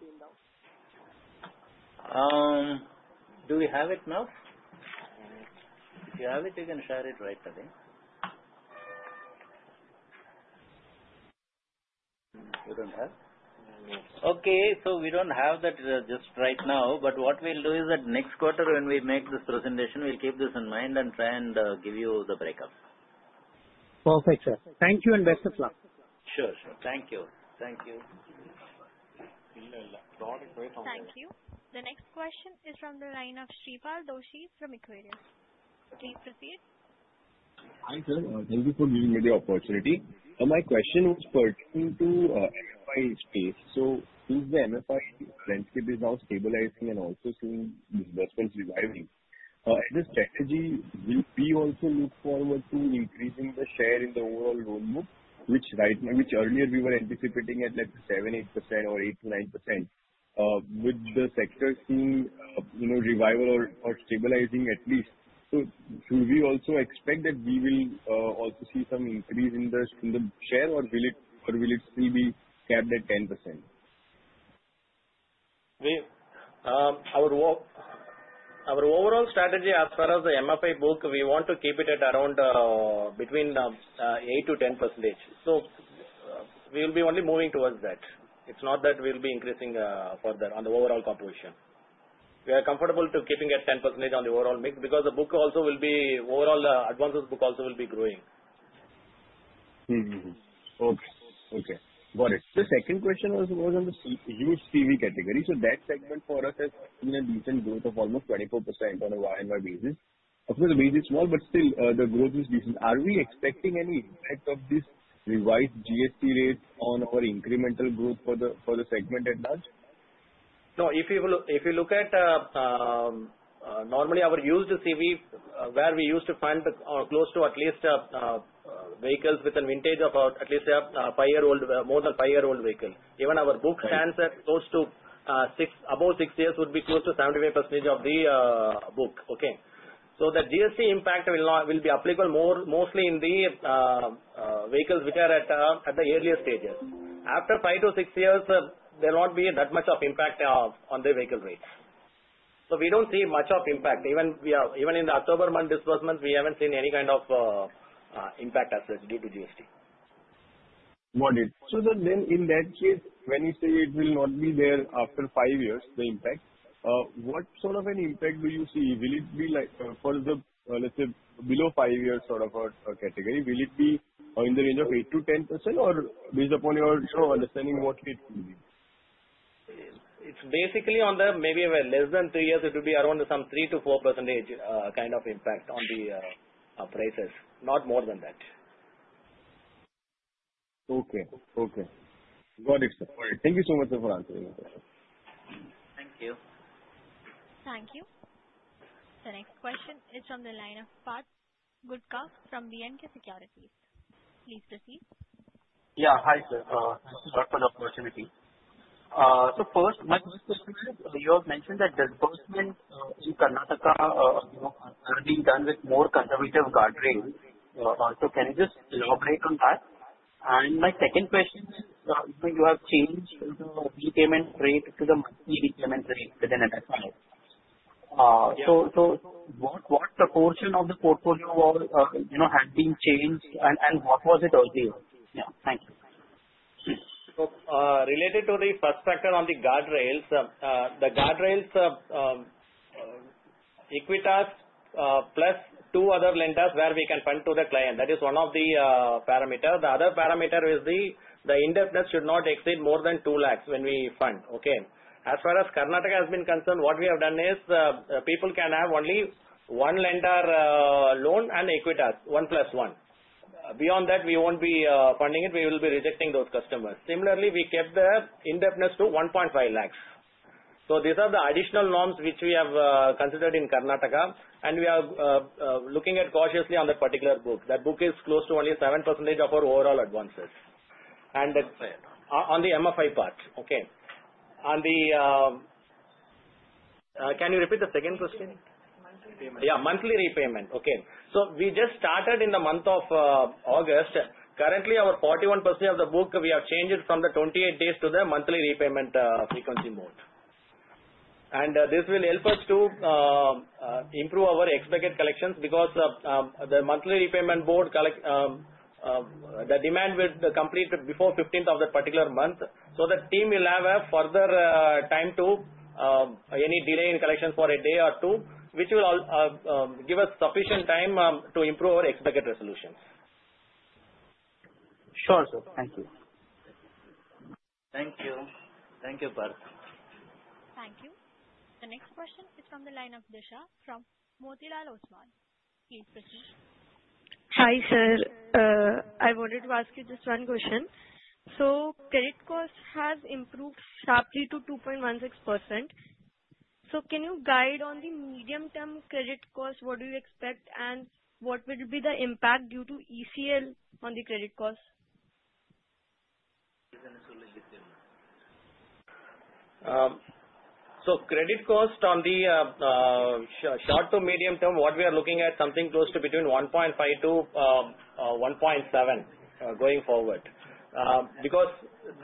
S7: Do we have it now? If you have it, you can share it right away. You don't have? Okay. So we don't have that just right now. But what we'll do is that next quarter, when we make this presentation, we'll keep this in mind and try and give you the breakup.
S9: Perfect, sir. Thank you and best of luck.
S3: Sure. Sure. Thank you. Thank you.
S1: Thank you. The next question is from the line of Shreepal Doshi from Equirus. Please proceed.
S7: Hi, sir.
S10: Thank you for giving me the opportunity. My question was pertaining to MFI space. So since the MFI landscape is now stabilizing and also seeing investments reviving, the strategy will we also look forward to increasing the share in the overall loan book, which earlier we were anticipating at like 7%, 8%, or 8% to 9% with the sector seeing revival or stabilizing at least? So should we also expect that we will also see some increase in the share, or will it still be capped at 10%?
S3: Our overall strategy as far as the MFI book, we want to keep it at around between 8%-10%. So we will be only moving towards that. It's not that we'll be increasing further on the overall composition. We are comfortable keeping at 10% on the overall mix because the book also will be overall advances book also will be growing.
S10: Okay. Got it. The second question was on the huge CV category. So that segment for us has seen a decent growth of almost 24% on a Y-o-Y basis. Of course, the base is small, but still, the growth is decent. Are we expecting any impact of this revised GST rate on our incremental growth for the segment at large?
S3: No. If you look at normally, our used CV, where we used to find close to at least vehicles with a vintage of at least a five-year-old, more than five-year-old vehicle. Even our book stands at close to above six years would be close to 75% of the book. Okay? So that GST impact will be applicable mostly in the vehicles which are at the earlier stages. After five to six years, there will not be that much of impact on the vehicle rates. So we don't see much of impact. Even in the October month disbursement, we haven't seen any kind of impact as such due to GST.
S10: Got it. So then in that case, when you say it will not be there after five years, the impact, what sort of an impact do you see? Will it be for the, let's say, below five years sort of a category? Will it be in the range of 8% to 10%, or based upon your understanding what it will be?
S3: It's basically on the maybe less than three years, it will be around some 3%-4% kind of impact on the prices. Not more than that.
S10: Okay. Okay. Got it, sir. Thank you so much for answering the question.
S3: Thank you.
S1: Thank you. The next question is from the line of Parth Gutka from B&K Securities. Please proceed.
S11: Hi, sir. Thanks for the opportunity. So first, my first question is you have mentioned that disbursement in Karnataka are being done with more conservative guardrails. So can you just elaborate on that? And my second question is you have changed the repayment rate to the monthly repayment rate within an SRI. So what proportion of the portfolio has been changed, and what was it earlier? Yeah. Thank you.
S3: So related to the first factor on the guardrails, the guardrails Equitas plus two other lenders where we can fund to the client. That is one of the parameters. The other parameter is the indebtedness should not exceed more than two lakhs when we fund. Okay? As far as Karnataka has been concerned, what we have done is people can have only one lender loan and Equitas, one plus one. Beyond that, we won't be funding it. We will be rejecting those customers. Similarly, we kept the indebtedness to 1.5 lakhs. So these are the additional norms which we have considered in Karnataka. And we are looking at cautiously on that particular book. That book is close to only 7% of our overall advances. And on the MFI part, okay, can you repeat the second question?
S11: Monthly repayment.
S3: Yeah. Monthly repayment. Okay. So we just started in the month of August. Currently, our 41% of the book, we have changed it from the 28 days to the monthly repayment frequency mode. And this will help us to improve our expected collections because the monthly repayment mode, the demand will complete before 15th of that particular month. So that team will have further time to any delay in collections for a day or two, which will give us sufficient time to improve our expected resolutions.
S11: Sure, sir. Thank you.
S3: Thank you. Thank you, Parth.
S1: Thank you. The next question is from the line of Disha from Motilal Oswal. Please proceed.
S12: Hi, sir. I wanted to ask you just one question. So credit cost has improved sharply to 2.16%. So can you guide on the medium-term credit cost? What do you expect, and what will be the impact due to ECL on the credit cost?
S3: So credit cost on the short to medium term, what we are looking at, something close to between 1.5% to 1.7% going forward. Because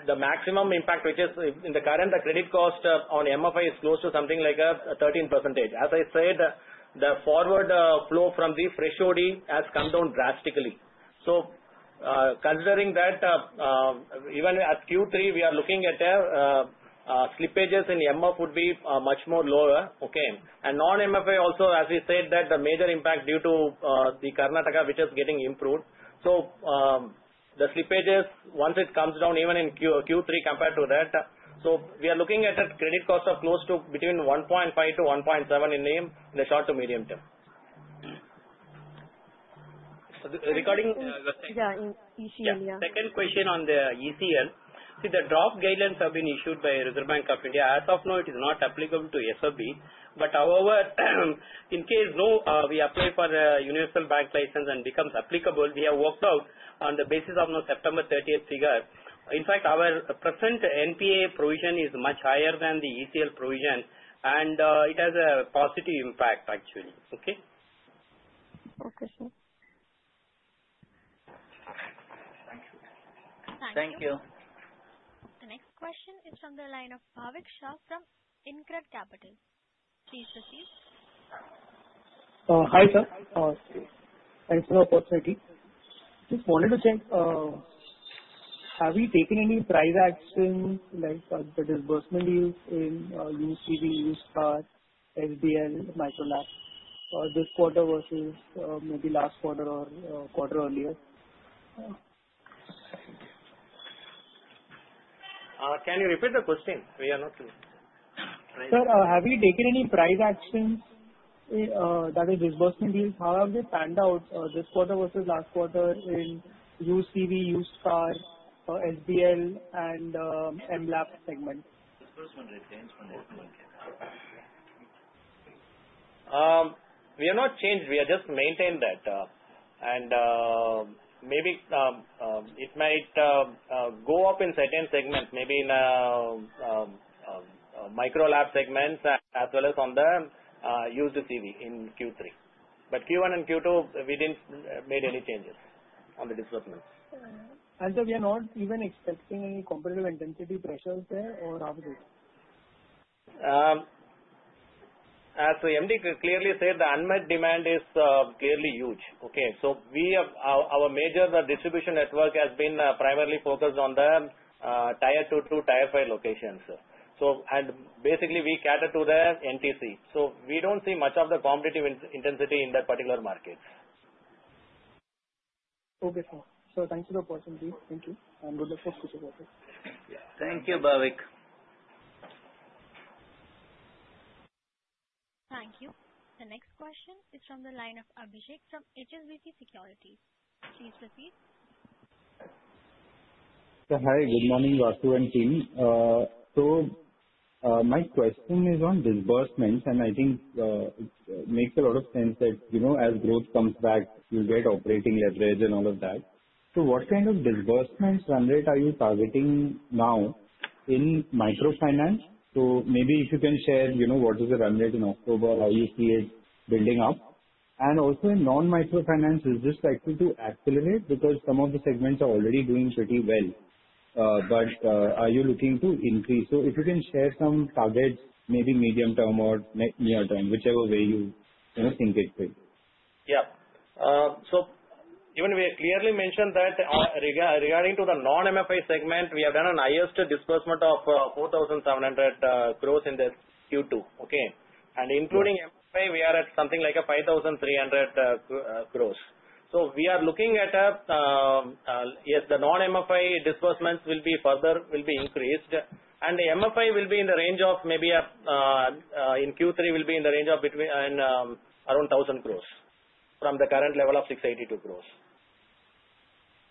S3: the maximum impact, which is in the current, the credit cost on MFI is close to something like 13%. As I said, the forward flow from the fresh OD has come down drastically. So considering that, even at Q3, we are looking at slippages in MF would be much more lower. Okay? And non-MFI also, as we said, that the major impact due to the Karnataka, which is getting improved. So the slippages, once it comes down, even in Q3 compared to that. So we are looking at a credit cost of close to between 1.5% to 1.7% in the short to medium term.
S12: Yeah. In ECL.
S3: Yeah. Second question on the ECL. See, the draft guidelines have been issued by Reserve Bank of India. As of now, it is not applicable to SFB. But however, in case we apply for a universal bank license and becomes applicable, we have worked out on the basis of September 30th figure. In fact, our present NPA provision is much higher than the ECL provision. And it has a positive impact, actually. Okay?
S12: Okay, sir.
S1: The next question is from the line of Bhavik Shah from InCred Capital. Please proceed.
S13: Hi, sir. Thanks for the opportunity. Just wanted to check, have we taken any price action like the disbursement deals in UCV, used car, SBL, Micro LAP this quarter versus maybe last quarter or quarter earlier?
S3: Can you repeat the question? We are not too sure.
S13: Sir, have we taken any price actions? That is, disbursement deals, how have they panned out this quarter versus last quarter in UCV, USCAR, SBL, and MLAPS segment?
S3: Disbursement rates from the government. We have not changed. We have just maintained that. And maybe it might go up in certain segments, maybe in Micro LAP segments as well as in the UCV in Q3. But Q1 and Q2, we didn't make any changes on the disbursements.
S13: Sir, we are not even expecting any comparable intensity pressures there or opposite?
S3: As the MD clearly said, the unmet demand is clearly huge. Okay? So our major distribution network has been primarily focused on the tier 2 to tier 5 locations. And basically, we cater to the NTC. So we don't see much of the competitive intensity in that particular market.
S13: Okay, sir. So thanks for the opportunity. Thank you. And good luck for the future quarter.
S3: Thank you, Bhavik.
S1: Thank you. The next question is from the line of Abhishek from HSBC Securities. Please proceed.
S14: Hi, good morning, Ratu and team. So my question is on disbursements. And I think it makes a lot of sense that as growth comes back, you'll get operating leverage and all of that. So what kind of disbursements run rate are you targeting now in microfinance? So maybe if you can share what is the run rate in October, how you see it building up. And also in non-microfinance, is this likely to accelerate because some of the segments are already doing pretty well? But are you looking to increase? So if you can share some targets, maybe medium term or near term, whichever way you think it could.
S3: Yeah. So even we have clearly mentioned that regarding to the non-MFI segment, we have done a this disbursement of 4,700 gross in the Q2. Okay? And including MFI, we are at something like 5,300 gross. So we are looking at, yes, the non-MFI disbursements will be further increased. And MFI will be in the range of maybe in Q3 will be in the range of around 1,000 gross from the current level of 682 gross.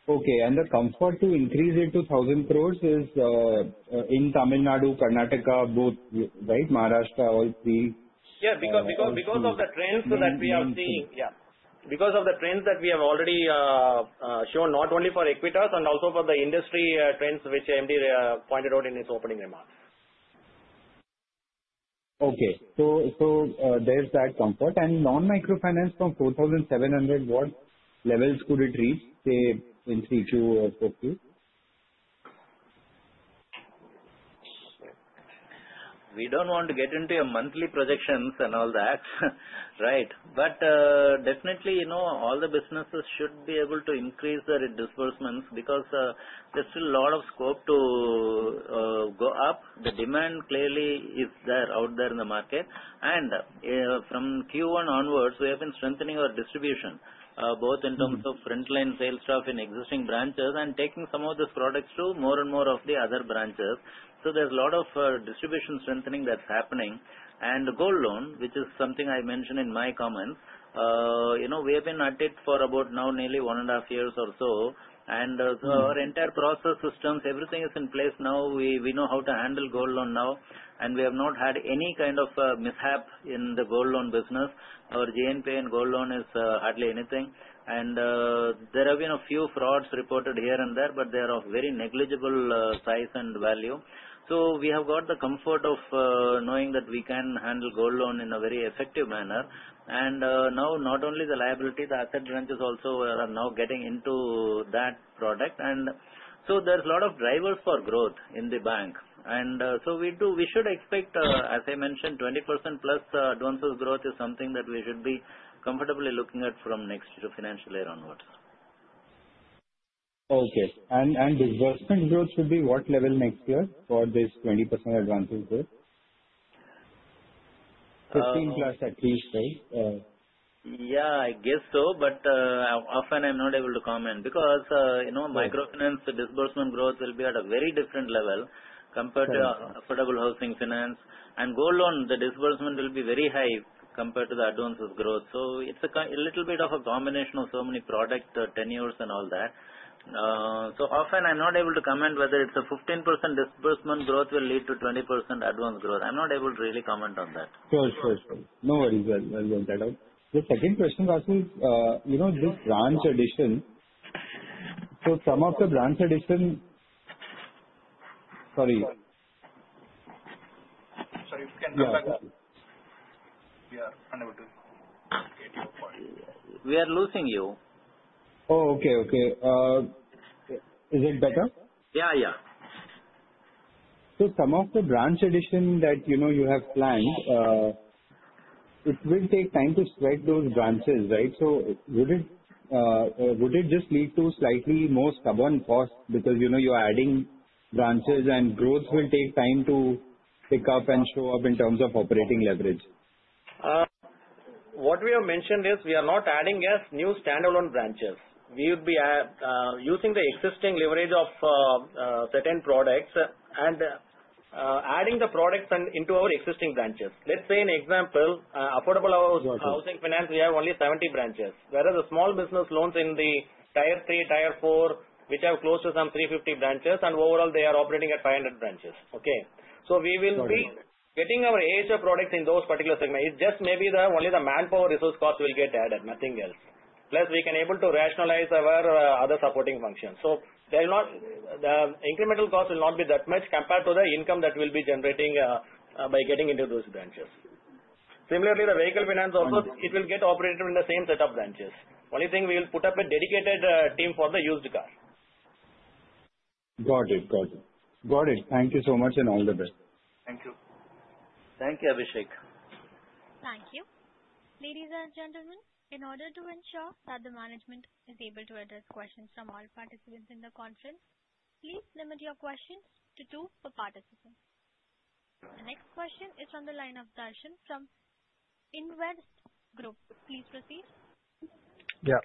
S14: Okay, and the comfort to increase it to 1,000 gross is in Tamil Nadu, Karnataka, both, right? Maharashtra, all three?
S3: Yeah. Because of the trends that we have already shown, not only for Equitas and also for the industry trends which MD pointed out in his opening remarks.
S14: Okay. So there's that comfort, and non-microfinance from 4,700. What levels could it reach in Q2 or Q3?
S3: We don't want to get into monthly projections and all that. Right? But definitely, all the businesses should be able to increase their disbursements because there's still a lot of scope to go up. The demand clearly is there out there in the market. And from Q1 onwards, we have been strengthening our distribution, both in terms of frontline sales staff in existing branches and taking some of these products to more and more of the other branches. So there's a lot of distribution strengthening that's happening. And the gold loan, which is something I mentioned in my comments, we have been at it for about now nearly one and a half years or so. And our entire process systems, everything is in place now. We know how to handle gold loan now. And we have not had any kind of mishap in the gold loan business. Our GNPA in gold loan is hardly anything. And there have been a few frauds reported here and there, but they are of very negligible size and value. So we have got the comfort of knowing that we can handle gold loan in a very effective manner. And now, not only the liability, the asset branches also are now getting into that product. And so there's a lot of drivers for growth in the bank. And so we should expect, as I mentioned, 20% plus advances growth is something that we should be comfortably looking at from next financial year onwards.
S14: Okay. And disbursement growth should be what level next year for this 20% advances growth? 15 plus at least, right?
S3: Yeah, I guess so. But often, I'm not able to comment because microfinance disbursement growth will be at a very different level compared to affordable housing finance. And gold loan, the disbursement will be very high compared to the advances growth. So it's a little bit of a combination of so many product tenures and all that. So often, I'm not able to comment whether it's a 15% disbursement growth will lead to 20% advance growth. I'm not able to really comment on that.
S14: Sure, sure, sure. No worries. I'll get that out. The second question was this branch addition. So some of the branch addition, sorry.
S3: Sorry. You can come back? We are unable to hear your call. We are losing you.
S14: Oh, okay, okay. Is it better?
S3: Yeah, yeah.
S14: So some of the branch addition that you have planned, it will take time to spread those branches, right? So would it just lead to slightly more stubborn cost because you're adding branches and growth will take time to pick up and show up in terms of operating leverage?
S3: What we have mentioned is we are not adding new standalone branches. We would be using the existing leverage of certain products and adding the products into our existing branches. Let's say an example, affordable housing finance, we have only 70 branches. Whereas the small business loans in the tier 3, tier 4, which have close to some 350 branches, and overall, they are operating at 500 branches. Okay? So we will be getting our AHF products in those particular segments. It's just maybe only the manpower resource cost will get added, nothing else. Plus, we can be able to rationalize our other supporting functions. So the incremental cost will not be that much compared to the income that we'll be generating by getting into those branches. Similarly, the vehicle finance also, it will get operated in the same set of branches. Only thing, we will put up a dedicated team for the used car.
S14: Got it. Got it. Got it. Thank you so much and all the best.
S3: Thank you. Thank you, Abhishek.
S1: Thank you. Ladies and gentlemen, in order to ensure that the management is able to address questions from all participants in the conference, please limit your questions to two per participant. The next question is from the line of Darshan from Investec. Please proceed.
S15: Yeah.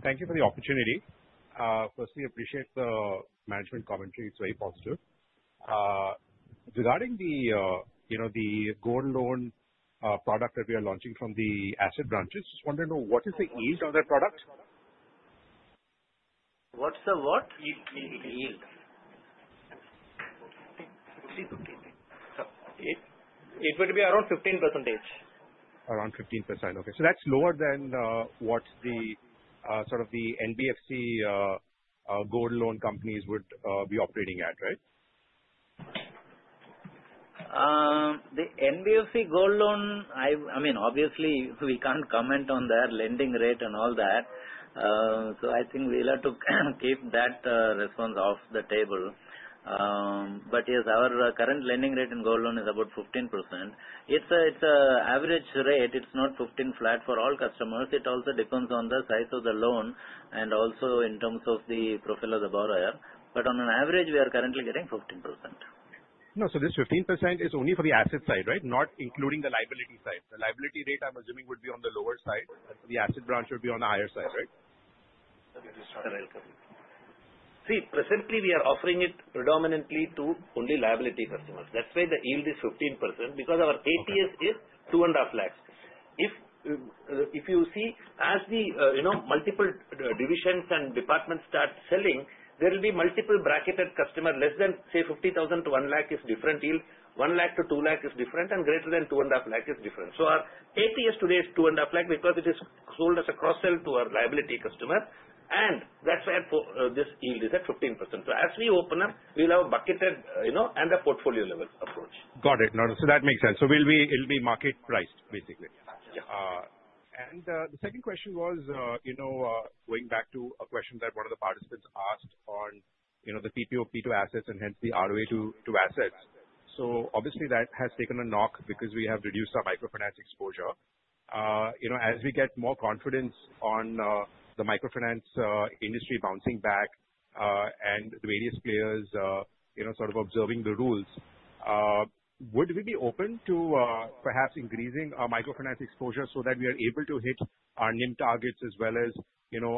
S15: Thank you for the opportunity. Firstly, I appreciate the management commentary. It's very positive. Regarding the gold loan product that we are launching from the asset branches, just want to know what is the yield of that product?
S7: What's the what? Yield. It would be around 15%.
S15: Around 15%. Okay. So that's lower than what sort of the NBFC gold loan companies would be operating at, right?
S7: The NBFC gold loan, I mean, obviously, we can't comment on their lending rate and all that. So I think we'll have to keep that response off the table. But yes, our current lending rate in gold loan is about 15%. It's an average rate. It's not 15 flat for all customers. It also depends on the size of the loan and also in terms of the profile of the borrower. But on an average, we are currently getting 15%.
S15: No, so this 15% is only for the asset side, right? Not including the liability side. The liability rate, I'm assuming, would be on the lower side. And for the asset side, it would be on the higher side, right?
S4: Correct. See, presently, we are offering it predominantly to only liability customers. That's why the yield is 15% because our ATS is 2.5 lakhs. If you see, as the multiple divisions and departments start selling, there will be multiple bracketed customers. Less than, say, 50,000 to 1 lakh is different yield. 1 lakh to 2 lakh is different. And greater than 2.5 lakh is different. So our ATS today is 2.5 lakh because it is sold as a cross-sell to our liability customer. And that's why this yield is at 15%. So as we open up, we'll have a bucketed and a portfolio level approach.
S15: Got it. So that makes sense. So it'll be market priced, basically. And the second question was going back to a question that one of the participants asked on the P2 assets and hence the ROA to assets. So obviously, that has taken a knock because we have reduced our microfinance exposure. As we get more confidence on the microfinance industry bouncing back and the various players sort of observing the rules, would we be open to perhaps increasing our microfinance exposure so that we are able to hit our NIM targets as well as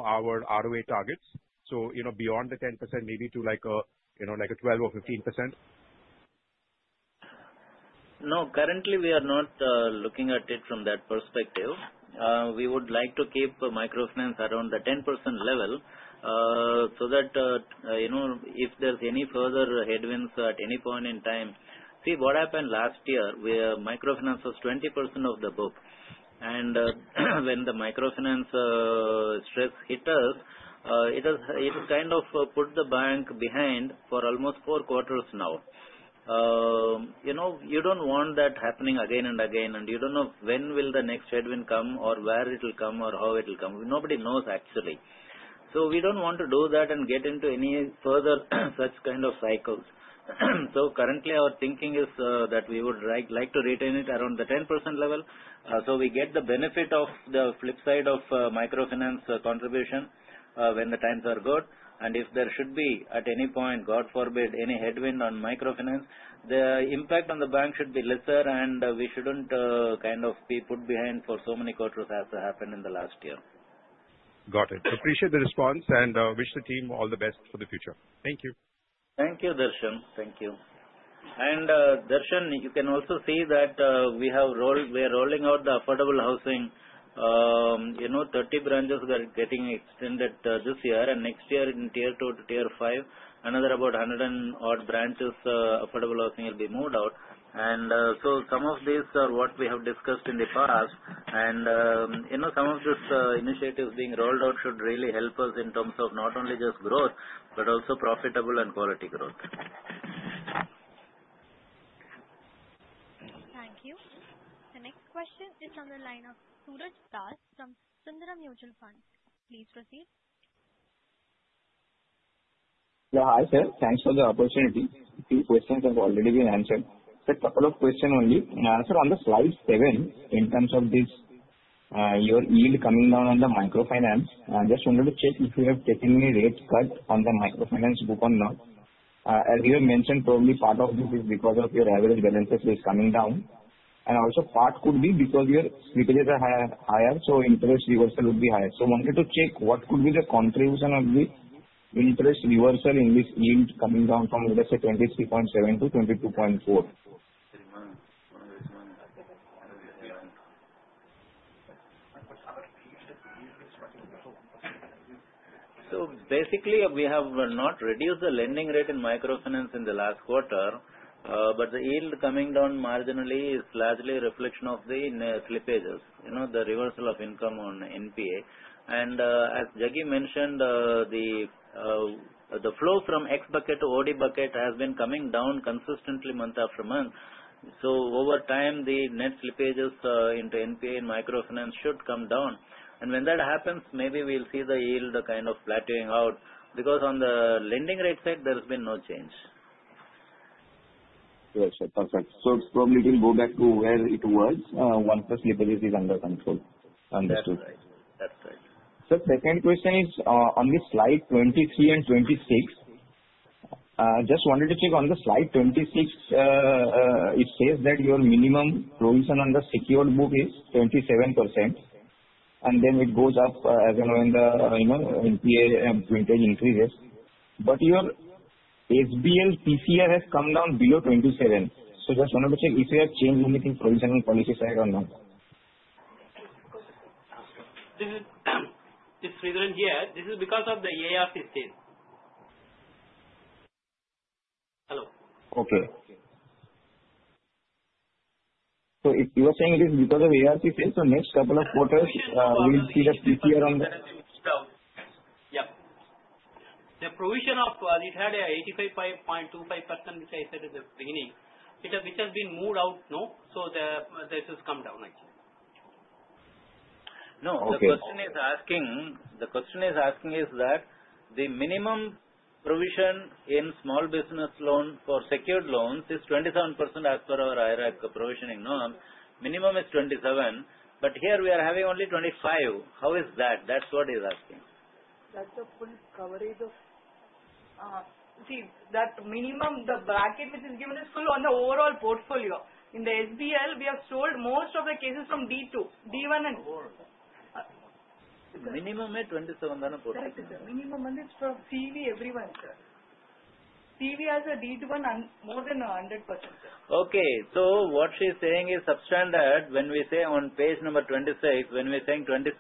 S15: our ROA targets? So beyond the 10%, maybe to like a 12% or 15%?
S7: No, currently, we are not looking at it from that perspective. We would like to keep microfinance around the 10% level so that if there's any further headwinds at any point in time. See what happened last year. Microfinance was 20% of the book, and when the microfinance stress hit us, it has kind of put the bank behind for almost four quarters now. You don't want that happening again and again, and you don't know when will the next headwind come or where it will come or how it will come. Nobody knows, actually, so we don't want to do that and get into any further such kind of cycles, so currently, our thinking is that we would like to retain it around the 10% level so we get the benefit of the flip side of microfinance contribution when the times are good. And if there should be, at any point, God forbid, any headwind on microfinance, the impact on the bank should be lesser. And we shouldn't kind of be put behind for so many quarters as happened in the last year.
S15: Got it. Appreciate the response and wish the team all the best for the future. Thank you.
S7: Thank you, Darshan. Thank you and, Darshan, you can also see that we are rolling out the affordable housing. 30 branches are getting extended this year and next year, in tier 2 to tier 5, another about 100 and odd branches of affordable housing will be moved out. So some of these are what we have discussed in the past and some of these initiatives being rolled out should really help us in terms of not only just growth, but also profitable and quality growth.
S1: Thank you. The next question is from the line of Suraj Das from Sundaram Mutual Fund. Please proceed.
S16: Yeah, hi sir. Thanks for the opportunity. A few questions have already been answered. So a couple of questions only. And I answered on the slide seven in terms of your yield coming down on the microfinance. I just wanted to check if you have taken any rate cut on the microfinance book or not. As you have mentioned, probably part of this is because of your average balance sheet is coming down. And also part could be because your slippages are higher. So interest reversal would be higher. So I wanted to check what could be the contribution of the interest reversal in this yield coming down from, let's say, 23.7 to 22.4.
S7: Basically, we have not reduced the lending rate in microfinance in the last quarter. But the yield coming down marginally is largely a reflection of the slippages, the reversal of income on NPA. And as Jagdish mentioned, the flow from ex-bucket to OD bucket has been coming down consistently month after month. So over time, the net slippages into NPA and microfinance should come down. And when that happens, maybe we'll see the yield kind of flattening out because on the lending rate side, there has been no change.
S16: Yes, sir. Perfect. So probably it will go back to where it was once the slippages are under control. Understood.
S7: That's right. That's right.
S16: Sir, second question is on slides 23 and 26. Just wanted to check on slide 26. It says that your minimum provision on the secured book is 27%. And then it goes up as the NPA slippage increases. But your SBL PCR has come down below 27%. So just wanted to check if you have changed anything on the provisioning policy side or not.
S2: This is because of the ARC sale. Hello.
S16: Okay. So you are saying this is because of ARC sale. So next couple of quarters, we'll see the PCR on the.
S2: Yeah. The provision of it had an 85.25%, which I said at the beginning, which has been moved out now. So this has come down, I think.
S7: The question he's asking is that the minimum provision in small business loan for secured loans is 27% as per our IRAC provisioning norm. Minimum is 27%. But here, we are having only 25%. How is that? That's what he's asking. That's a full coverage of the minimum. The bracket which is given is full on the overall portfolio. In the SBL, we have sold most of the cases from D2, D1, and. Minimum is 27 on the portfolio. That's it, sir. Minimum is for CV everywhere, sir. CV has a D2 and more than 100%, sir. Okay. So what she's saying is substandard when we say on page number 26, when we're saying 27%,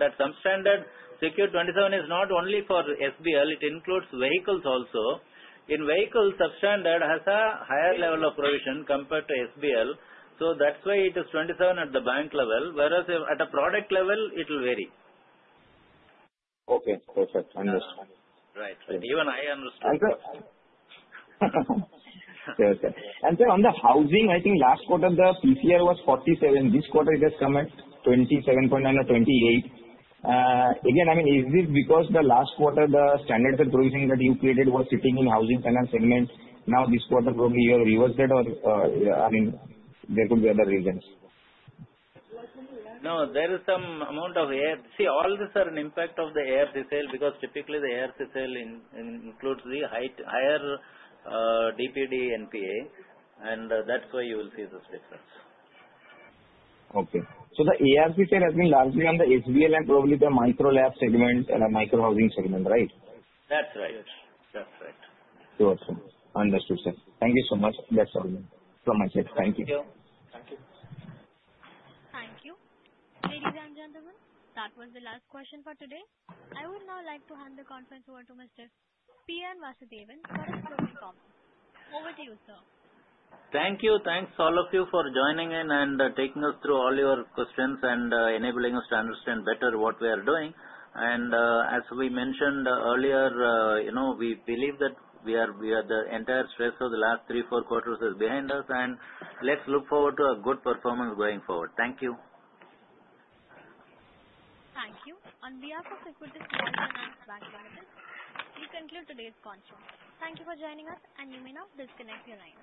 S7: that substandard secured 27 is not only for SBL. It includes vehicles also. In vehicles, substandard has a higher level of provision compared to SBL. So that's why it is 27 at the bank level. Whereas at a product level, it will vary.
S16: Okay. Perfect. Understood.
S7: Right. Even I understood.
S16: Okay. And sir, on the housing, I think last quarter, the PCR was 47%. This quarter, it has come at 27.9% or 28%. Again, I mean, is this because the last quarter, the standard asset provision that you created was sitting in housing finance segment? Now, this quarter, probably you have reversed it, or I mean, there could be other reasons.
S7: No. There is some amount of hair. See, all this is an impact of the ARP sale because typically, the ARP sale includes the higher DPD NPA. And that's why you will see this difference.
S16: Okay, so the ARP sale has been largely on the SBL and probably the micro LAP segment, micro housing segment, right?
S7: That's right. That's right.
S16: Gotcha. Understood, sir. Thank you so much. That's all from my side. Thank you.
S7: Thank you.
S1: Thank you. Ladies and gentlemen, that was the last question for today. I would now like to hand the conference over to Mr. P. N. Vasudevan for a closing comment. Over to you, sir.
S7: Thank you. Thanks all of you for joining in and taking us through all your questions and enabling us to understand better what we are doing. And as we mentioned earlier, we believe that the entire stress of the last three, four quarters is behind us. And let's look forward to a good performance going forward. Thank you.
S1: Thank you. On behalf of the Equitas Small Finance Bank management, we conclude today's conference. Thank you for joining us, and you may now disconnect your line.